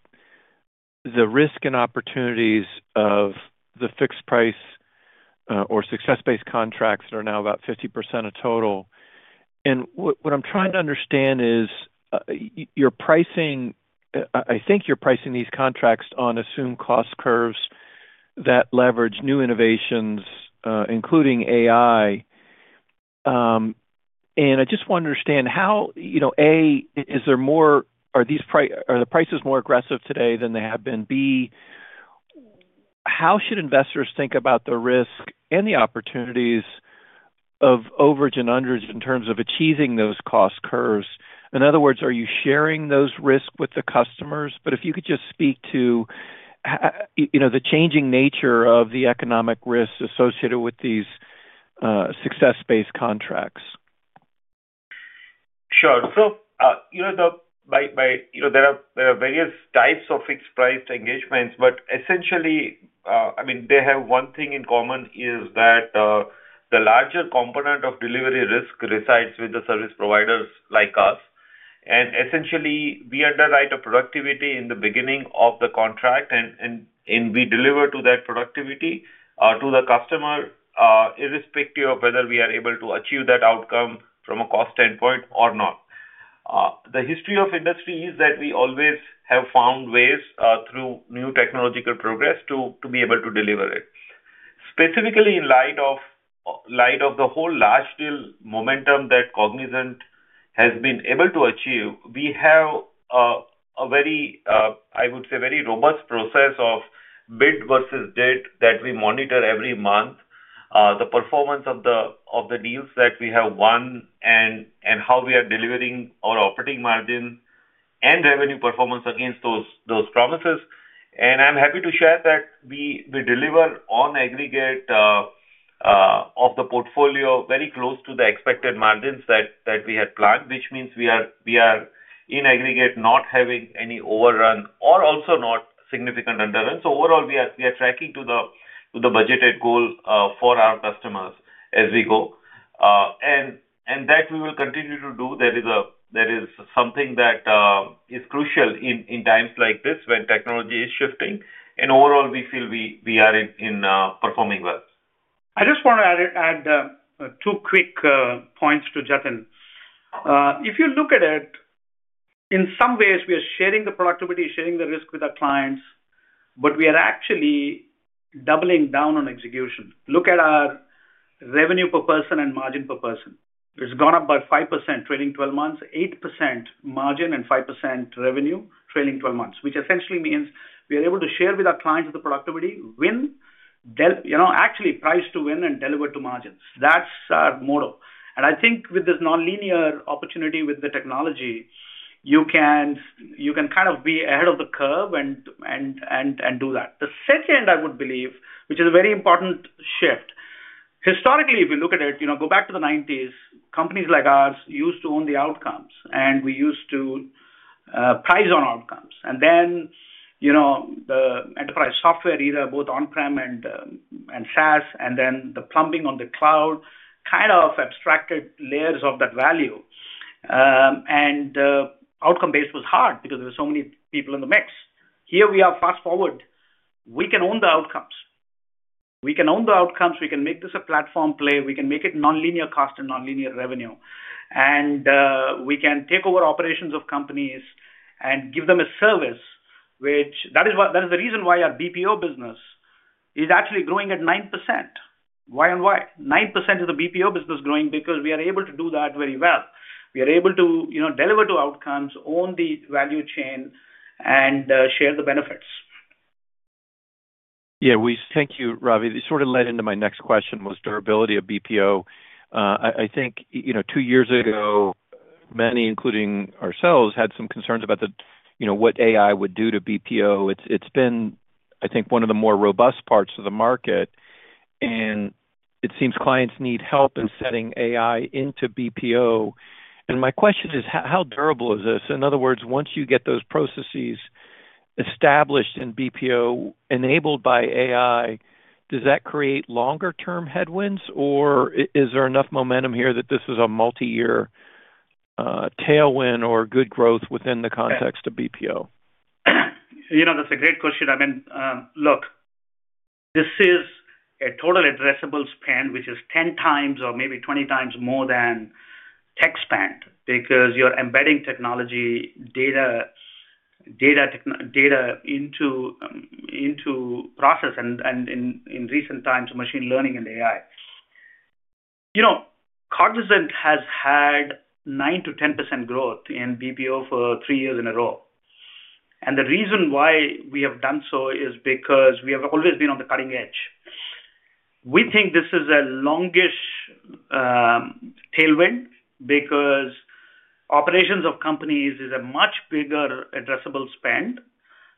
G: the risk and opportunities of the fixed price or success-based contracts that are now about 50% of total. What I'm trying to understand is your pricing. I think you're pricing these contracts on assumed cost curves that leverage new innovations, including AI. And I just want to understand how, you know, A, are the prices more aggressive today than they have been? B, how should investors think about the risk and the opportunities of overage and underage in terms of achieving those cost curves? In other words, are you sharing those risks with the customers? But if you could just speak to, you know, the changing nature of the economic risks associated with these success-based contracts.
D: Sure. So, you know, there are various types of fixed-priced engagements, but essentially, I mean, they have one thing in common, is that the larger component of delivery risk resides with the service providers like us. And essentially, we underwrite a productivity in the beginning of the contract and we deliver to that productivity to the customer, irrespective of whether we are able to achieve that outcome from a cost standpoint or not. The history of industry is that we always have found ways through new technological progress to be able to deliver it. Specifically, in light of the whole large deal momentum that Cognizant has been able to achieve, we have a very, I would say, very robust process of bid versus bid that we monitor every month, the performance of the deals that we have won and how we are delivering our operating margin and revenue performance against those promises. And I'm happy to share that we deliver on aggregate of the portfolio, very close to the expected margins that we had planned, which means we are in aggregate not having any overrun or also not significant underrun. So overall, we are tracking to the budgeted goal for our customers as we go. And that we will continue to do. That is something that is crucial in times like this, when technology is shifting. And overall, we feel we are performing well.
C: I just want to add two quick points to Jatin. If you look at it, in some ways, we are sharing the productivity, sharing the risk with our clients, but we are actually doubling down on execution. Look at our revenue per person and margin per person. It's gone up by 5%, trailing twelve months, 8% margin and 5% revenue, trailing twelve months, which essentially means we are able to share with our clients the productivity. You know, actually price to win and deliver to margins. That's our motto. And I think with this nonlinear opportunity, with the technology, you can kind of be ahead of the curve and do that. The second, I would believe, which is a very important shift. Historically, if you look at it, you know, go back to the 1990s, companies like ours used to own the outcomes, and we used to price on outcomes. And then, you know, the enterprise software, either both on-prem and SaaS, and then the plumbing on the cloud, kind of abstracted layers of that value. Outcome-based was hard because there were so many people in the mix. Here we are, fast-forward. We can own the outcomes. We can own the outcomes, we can make this a platform play, we can make it nonlinear cost and nonlinear revenue. And we can take over operations of companies and give them a service, which. That is what - that is the reason why our BPO business is actually growing at 9%. Why and why? 9% of the BPO business growing, because we are able to do that very well. We are able to, you know, deliver to outcomes, own the value chain, and share the benefits.
G: Yeah, we thank you, Ravi. This sort of led into my next question, was durability of BPO. I think, you know, two years ago, many, including ourselves, had some concerns about the, you know, what AI would do to BPO. It's been, I think, one of the more robust parts of the market, and it seems clients need help in setting AI into BPO. And my question is: How durable is this? In other words, once you get those processes established in BPO, enabled by AI, does that create longer-term headwinds, or is there enough momentum here that this is a multiyear tailwind or good growth within the context of BPO?
C: You know, that's a great question. I mean, look, this is a total addressable spend, which is 10 times or maybe 20 times more than tech spend, because you're embedding technology, data into process, and in recent times, machine learning and AI. You know, Cognizant has had 9%-10% growth in BPO for three years in a row. And the reason why we have done so is because we have always been on the cutting edge. We think this is a longish tailwind, because operations of companies is a much bigger addressable spend,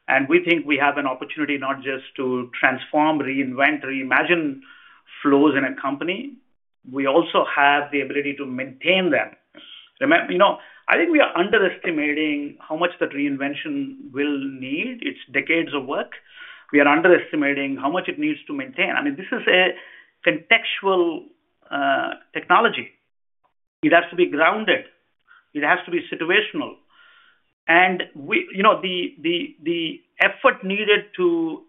C: and we think we have an opportunity not just to transform, reinvent, reimagine flows in a company, we also have the ability to maintain them. You know, I think we are underestimating how much that reinvention will need. It's decades of work. We are underestimating how much it needs to maintain. I mean, this is a contextual technology. It has to be grounded, it has to be situational. And we—you know, the effort needed to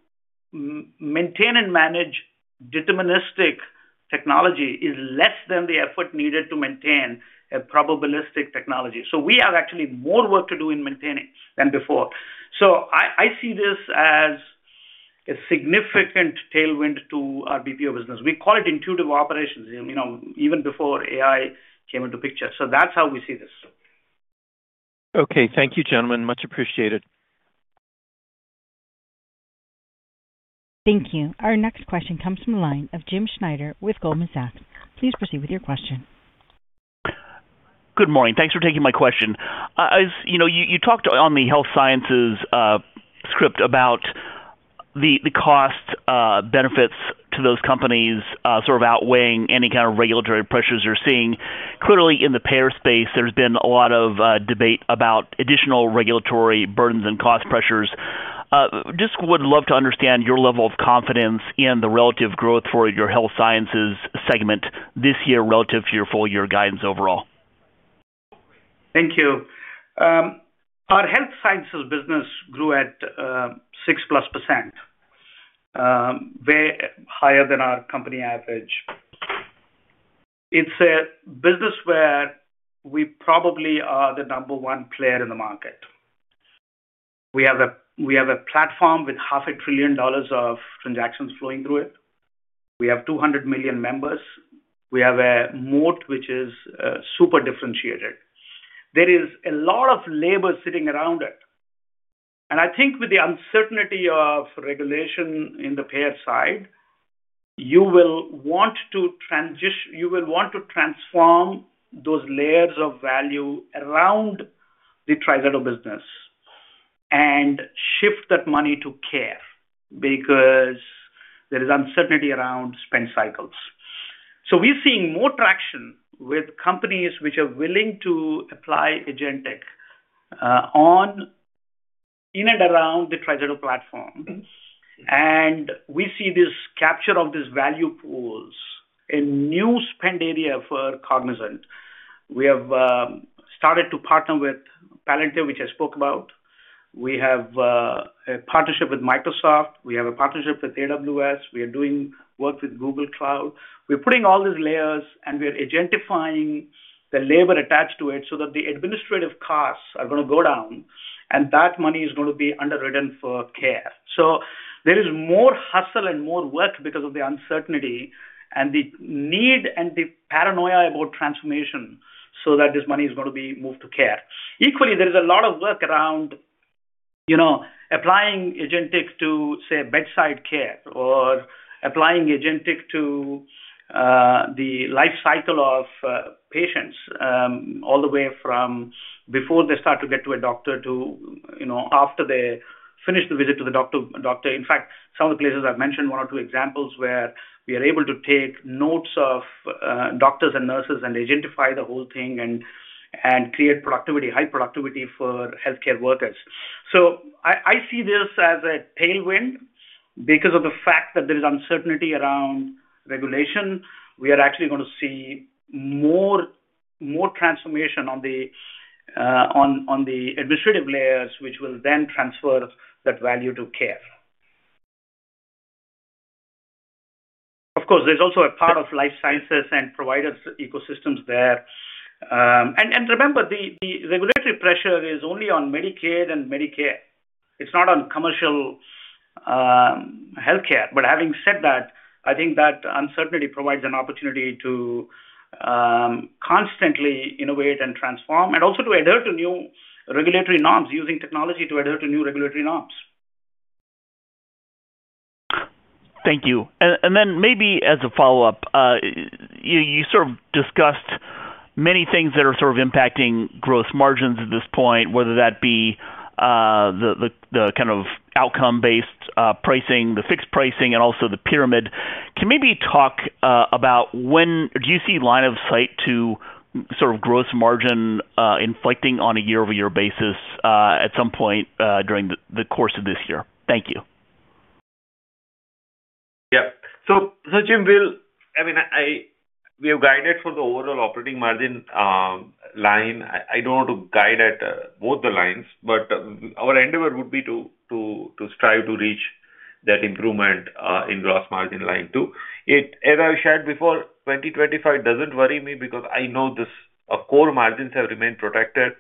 C: maintain and manage deterministic technology is less than the effort needed to maintain a probabilistic technology. So we have actually more work to do in maintaining than before. So I see this as a significant tailwind to our BPO business. We call it intuitive operations, you know, even before AI came into picture. So that's how we see this.
G: Okay, thank you, gentlemen. Much appreciated.
A: Thank you. Our next question comes from the line of Jim Schneider with Goldman Sachs. Please proceed with your question.
H: Good morning. Thanks for taking my question. As you know, you talked on the health sciences script about the cost benefits to those companies sort of outweighing any kind of regulatory pressures you're seeing. Clearly, in the payer space, there's been a lot of debate about additional regulatory burdens and cost pressures. Just would love to understand your level of confidence in the relative growth for your Health Sciences segment this year, relative to your full year guidance overall.
C: Thank you. Our health sciences business grew at +6%, way higher than our company average. It's a business where we probably are the number one player in the market. We have a platform with $500 billion of transactions flowing through it. We have 200 million members. We have a moat, which is super differentiated. There is a lot of labor sitting around it, and I think with the uncertainty of regulation in the payer side, you will want to transform those layers of value around the TriZetto business and shift that money to care, because there is uncertainty around spend cycles. So we're seeing more traction with companies which are willing to apply agentic on, in and around the TriZetto platform. We see this capture of these value pools, a new spend area for Cognizant. We have started to partner with Palantir, which I spoke about. We have a partnership with Microsoft. We have a partnership with AWS. We are doing work with Google Cloud. We're putting all these layers, and we are agentifying the labor attached to it so that the administrative costs are gonna go down, and that money is gonna be underwritten for care. There is more hustle and more work because of the uncertainty and the need and the paranoia about transformation, so that this money is gonna be moved to care. Equally, there is a lot of work around, you know, applying agentic to, say, bedside care or applying agentic to, the life cycle of, patients, all the way from before they start to get to a doctor to, you know, after they finish the visit to the doctor. In fact, some of the places I've mentioned, one or two examples, where we are able to take notes of, doctors and nurses and agentify the whole thing and, and create productivity, high productivity for healthcare workers. So I, I see this as a tailwind. Because of the fact that there is uncertainty around regulation, we are actually gonna see more, more transformation on the, on, on the administrative layers, which will then transfer that value to care. Of course, there's also a part of life sciences and provider ecosystems there. Remember, the regulatory pressure is only on Medicaid and Medicare. It's not on commercial healthcare. But having said that, I think that uncertainty provides an opportunity to constantly innovate and transform, and also to adhere to new regulatory norms, using technology to adhere to new regulatory norms.
H: Thank you. And then maybe as a follow-up, you sort of discussed many things that are sort of impacting gross margins at this point, whether that be the kind of outcome-based pricing, the fixed pricing, and also the pyramid. Can you maybe talk about when do you see line of sight to sort of gross margin inflection on a year-over-year basis at some point during the course of this year? Thank you.
D: Yeah. So, Jim, we'll—I mean, We have guided for the overall operating margin line. I don't want to guide at both the lines, but our endeavor would be to strive to reach that improvement in gross margin line too. As I shared before, 2025 doesn't worry me because I know this, our core margins have remained protected.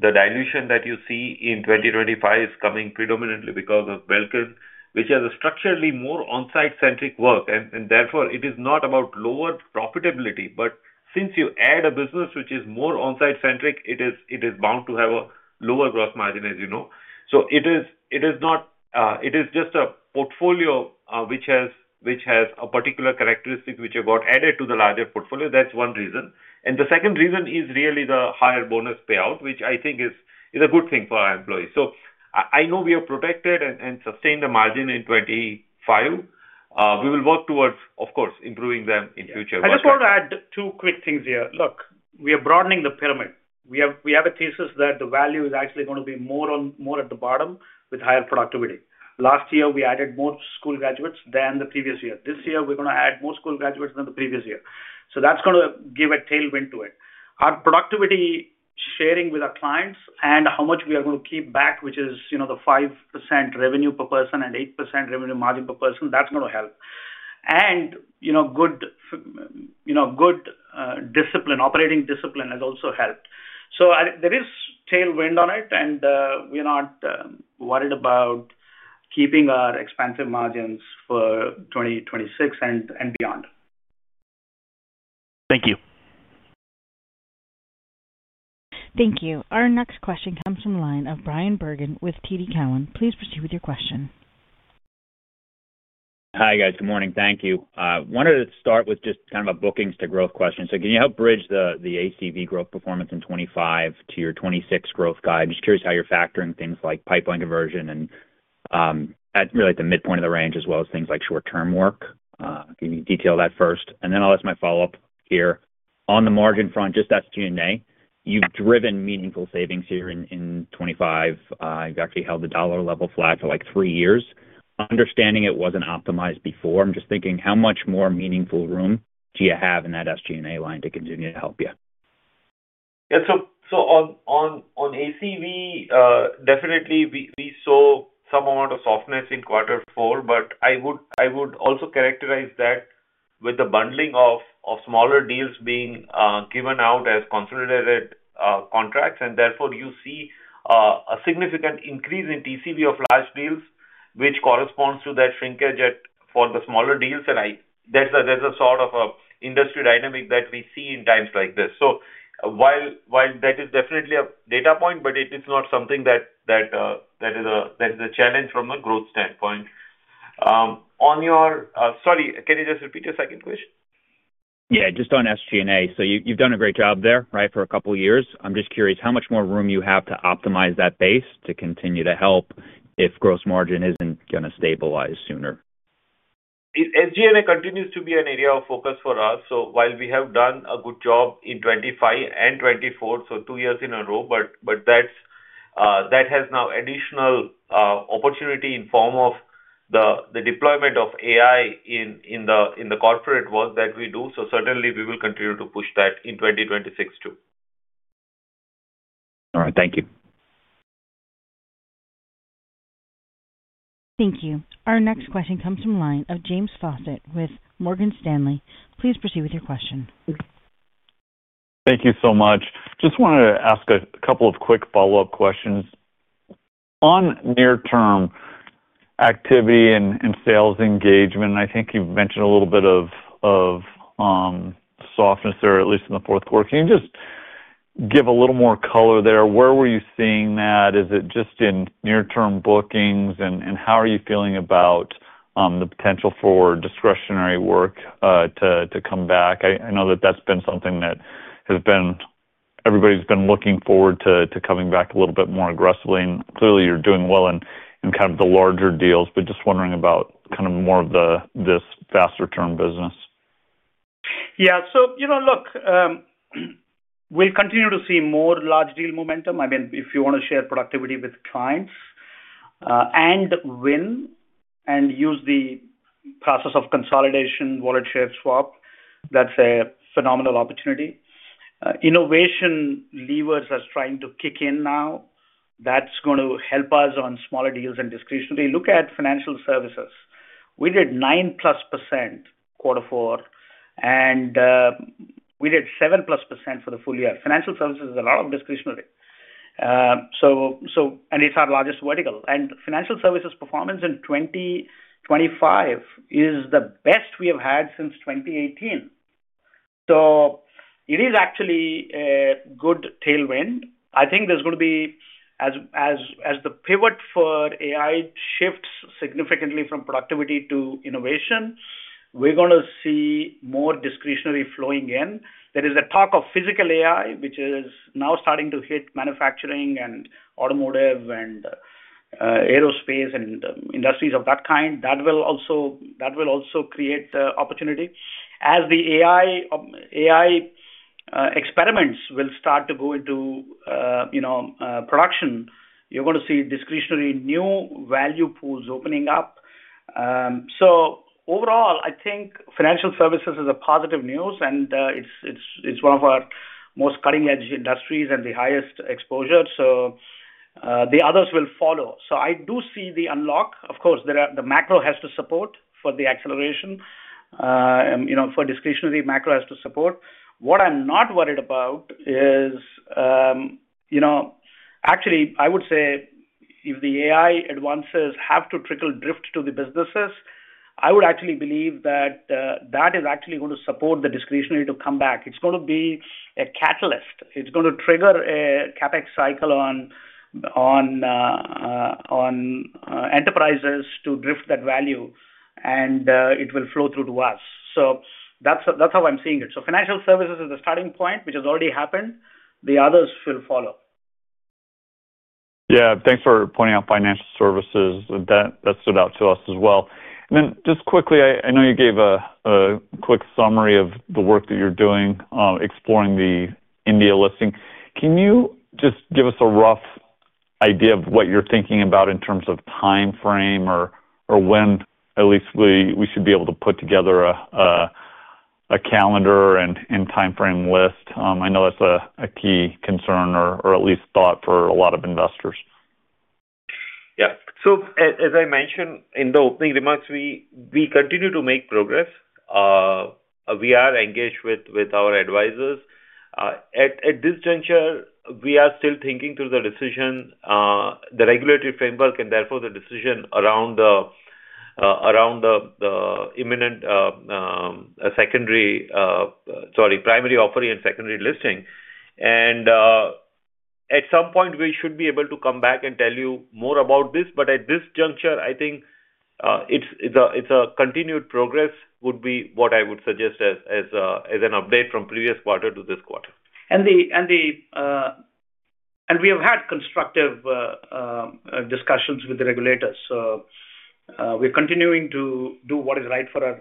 D: The dilution that you see in 2025 is coming predominantly because of Belcan, which has a structurally more onsite-centric work, and therefore, it is not about lower profitability. But since you add a business which is more onsite-centric, it is bound to have a lower gross margin, as you know. So it is not, it is just a portfolio, which has a particular characteristic which got added to the larger portfolio. That's one reason. And the second reason is really the higher bonus payout, which I think is a good thing for our employees. So I know we are protected and sustained the margin in 2025. We will work towards, of course, improving them in future.
C: I just want to add two quick things here. Look, we are broadening the pyramid. We have a thesis that the value is actually gonna be more on, more at the bottom with higher productivity. Last year, we added more school graduates than the previous year. This year, we're gonna add more school graduates than the previous year. So that's gonna give a tailwind to it. Our productivity sharing with our clients and how much we are going to keep back, which is, you know, the 5% revenue per person and 8% revenue margin per person, that's gonna help. And, you know, good, you know, good discipline, operating discipline has also helped. So I-- there is tailwind on it, and, we are not worried about keeping our expansive margins for 2026 and beyond.
H: Thank you.
A: Thank you. Our next question comes from the line of Bryan Bergin with TD Cowen. Please proceed with your question.
I: Hi, guys. Good morning. Thank you. Wanted to start with just kind of a bookings to growth question. So can you help bridge the ACV growth performance in 2025 to your 2026 growth guide? I'm just curious how you're factoring things like pipeline conversion and really at the midpoint of the range, as well as things like short-term work. Can you detail that first? And then I'll ask my follow-up here. On the margin front, just SG&A, you've driven meaningful savings here in 2025. You've actually held the dollar level flat for, like, three years. Understanding it wasn't optimized before, I'm just thinking, how much more meaningful room do you have in that SG&A line to continue to help you?
D: Yeah. So, on ACV, definitely we saw some amount of softness in quarter four, but I would also characterize that with the bundling of smaller deals being given out as consolidated contracts, and therefore you see a significant increase in TCV of large deals, which corresponds to that shrinkage for the smaller deals. And I... There's a sort of an industry dynamic that we see in times like this. So while that is definitely a data point, but it is not something that that is a challenge from a growth standpoint. On your... Sorry, can you just repeat your second question?
I: Yeah, just on SG&A. So you, you've done a great job there, right, for a couple of years. I'm just curious how much more room you have to optimize that base to continue to help if gross margin isn't gonna stabilize sooner.
D: SG&A continues to be an area of focus for us. So while we have done a good job in 2025 and 2024, so two years in a row, but that's. That has now additional opportunity in form of the deployment of AI in the corporate world that we do. So certainly, we will continue to push that in 2026, too.
I: All right. Thank you.
A: Thank you. Our next question comes from the line of James Faucette with Morgan Stanley. Please proceed with your question.
J: Thank you so much. Just wanted to ask a couple of quick follow-up questions. On near-term activity and sales engagement, I think you've mentioned a little bit of softness there, at least in the fourth quarter. Can you just give a little more color there? Where were you seeing that? Is it just in near-term bookings? And how are you feeling about the potential for discretionary work to come back? I know that that's been something that has been—everybody's been looking forward to coming back a little bit more aggressively, and clearly, you're doing well in kind of the larger deals, but just wondering about kind of more of this faster term business.
C: Yeah. So you know, look, we'll continue to see more large deal momentum. I mean, if you want to share productivity with clients, and win and use the process of consolidation, wallet share swap, that's a phenomenal opportunity. Innovation levers are trying to kick in now. That's going to help us on smaller deals and discretion. If you look at Financial Services, we did +9% quarter four, and we did +7% for the full year. Financial services is a lot of discretionary. And it's our largest vertical. And Financial Services performance in 2025 is the best we have had since 2018. So it is actually a good tailwind. I think there's gonna be as the pivot for AI shifts significantly from productivity to innovation, we're gonna see more discretionary flowing in. There is a talk of physical AI, which is now starting to hit manufacturing and automotive and, aerospace and industries of that kind. That will also create opportunity. As the AI experiments will start to go into, you know, production, you're gonna see discretionary new value pools opening up. So overall, I think Financial Services is a positive news, and, it's one of our most cutting-edge industries and the highest exposure, so, the others will follow. So I do see the unlock. Of course, there are the macro has to support for the acceleration. You know, for discretionary, macro has to support. What I'm not worried about is, you know. Actually, I would say if the AI advances have to trickle drift to the businesses. I would actually believe that, that is actually going to support the discretionary to come back. It's gonna be a catalyst. It's gonna trigger a CapEx cycle on, on, on, enterprises to drift that value, and, it will flow through to us. So that's, that's how I'm seeing it. So Financial Services is the starting point, which has already happened. The others will follow.
J: Yeah, thanks for pointing out Financial Services. That, that stood out to us as well. And then just quickly, I know you gave a quick summary of the work that you're doing, exploring the India listing. Can you just give us a rough idea of what you're thinking about in terms of timeframe or when at least we should be able to put together a calendar and timeframe list? I know that's a key concern or at least thought for a lot of investors.
D: Yeah. So as I mentioned in the opening remarks, we continue to make progress. We are engaged with our advisors. At this juncture, we are still thinking through the decision, the regulatory framework, and therefore, the decision around the imminent secondary, sorry, primary offering and secondary listing. At some point, we should be able to come back and tell you more about this, but at this juncture, I think it's a continued progress, would be what I would suggest as an update from previous quarter to this quarter.
C: We have had constructive discussions with the regulators. So, we're continuing to do what is right for our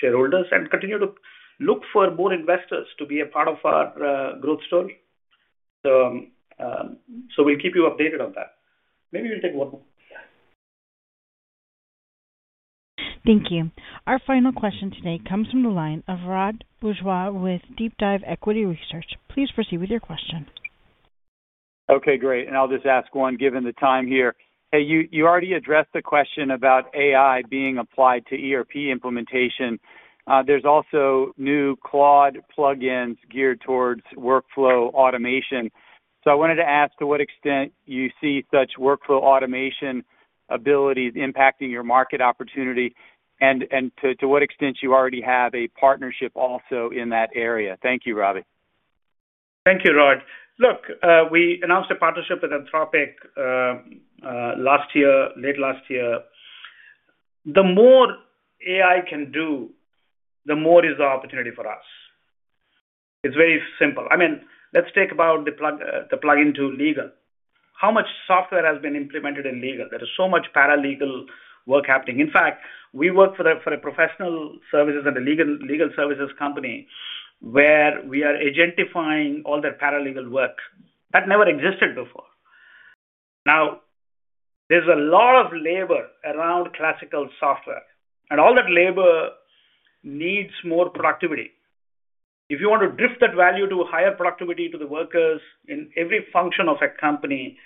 C: shareholders and continue to look for more investors to be a part of our growth story. So, so we'll keep you updated on that. Maybe we'll take one more.
A: Thank you. Our final question today comes from the line of Rod Bourgeois with DeepDive Equity Research. Please proceed with your question.
K: Okay, great, and I'll just ask one, given the time here. Hey, you already addressed the question about AI being applied to ERP implementation. There's also new Claude plugins geared towards workflow automation. So I wanted to ask to what extent you see such workflow automation abilities impacting your market opportunity, and to what extent you already have a partnership also in that area. Thank you, Ravi.
C: Thank you, Rod. Look, we announced a partnership with Anthropic last year, late last year. The more AI can do, the more is the opportunity for us. It's very simple. I mean, let's take about the plug, the plugin to legal. How much software has been implemented in legal? There is so much paralegal work happening. In fact, we work for a professional services and a legal services company where we are agentifying all their paralegal work. That never existed before. Now, there's a lot of labor around classical software, and all that labor needs more productivity. If you want to drift that value to higher productivity to the workers in every function of a company,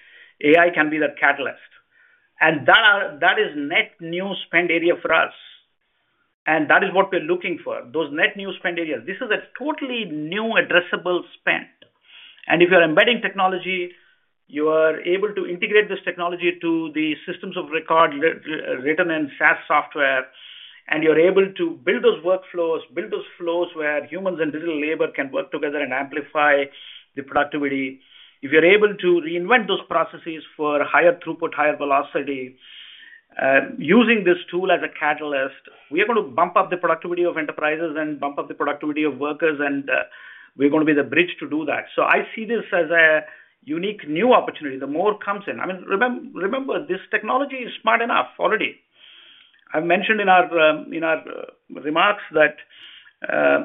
C: AI can be that catalyst. And that is net new spend area for us, and that is what we're looking for, those net new spend areas. This is a totally new addressable spend. And if you're embedding technology, you are able to integrate this technology to the systems of record written in SaaS software, and you're able to build those workflows, build those flows where humans and digital labor can work together and amplify the productivity. If you're able to reinvent those processes for higher throughput, higher velocity, using this tool as a catalyst, we're able to bump up the productivity of enterprises and bump up the productivity of workers, and we're gonna be the bridge to do that. So I see this as a unique new opportunity. The more it comes in... I mean, remember, this technology is smart enough already. I've mentioned in our, in our remarks that,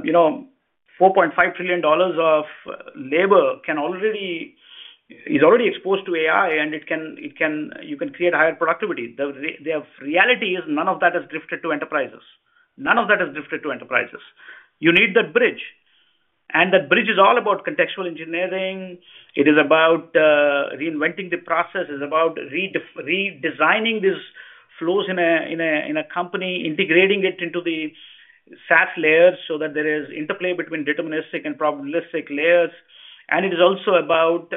C: you know, $4.5 trillion of labor is already exposed to AI, and you can create higher productivity. The reality is none of that has drifted to enterprises. None of that has drifted to enterprises. You need that bridge, and that bridge is all about context engineering. It is about reinventing the process. It's about redesigning these flows in a company, integrating it into the SaaS layers, so that there is interplay between deterministic and probabilistic layers. And it is also about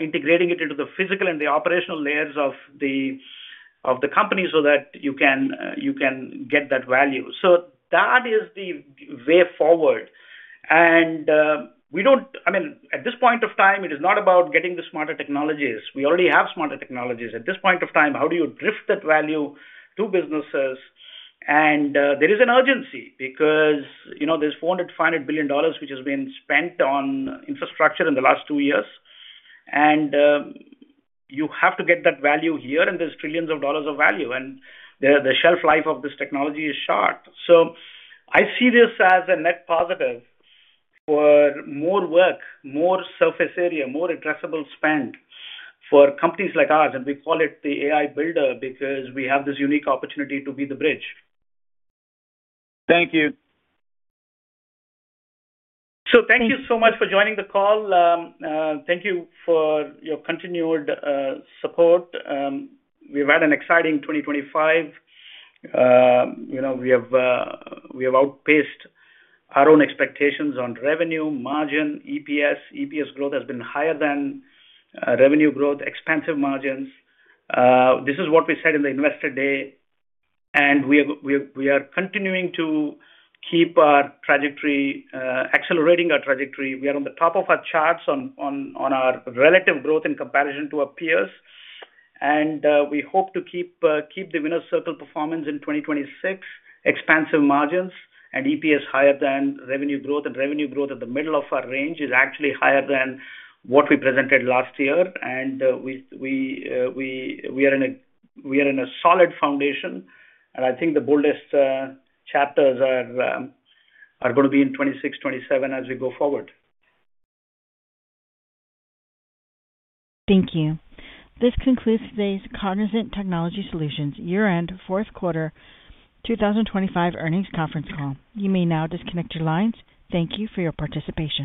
C: integrating it into the physical and the operational layers of the company so that you can get that value. So that is the way forward. We don't—I mean, at this point of time, it is not about getting the smarter technologies. We already have smarter technologies. At this point of time, how do you drift that value to businesses? And there is an urgency because, you know, there's $400 billion-$500 billion which has been spent on infrastructure in the last two years, and you have to get that value here, and there's trillions of dollars of value, and the shelf life of this technology is short. So I see this as a net positive for more work, more surface area, more addressable spend for companies like ours, and we call it the AI builder because we have this unique opportunity to be the bridge.
K: Thank you.
C: So thank you so much for joining the call. Thank you for your continued support. We've had an exciting 2025. You know, we have outpaced our own expectations on revenue, margin, EPS. EPS growth has been higher than revenue growth, expansive margins. This is what we said in the Investor Day, and we are continuing to keep our trajectory, accelerating our trajectory. We are on the top of our charts on our relative growth in comparison to our peers. We hope to keep the winner's circle performance in 2026, expansive margins and EPS higher than revenue growth. Revenue growth at the middle of our range is actually higher than what we presented last year. We are in a solid foundation, and I think the boldest chapters are gonna be in 2026, 2027 as we go forward.
A: Thank you. This concludes today's Cognizant Technology Solutions year-end fourth quarter 2025 Earnings Conference Call. You may now disconnect your lines. Thank you for your participation.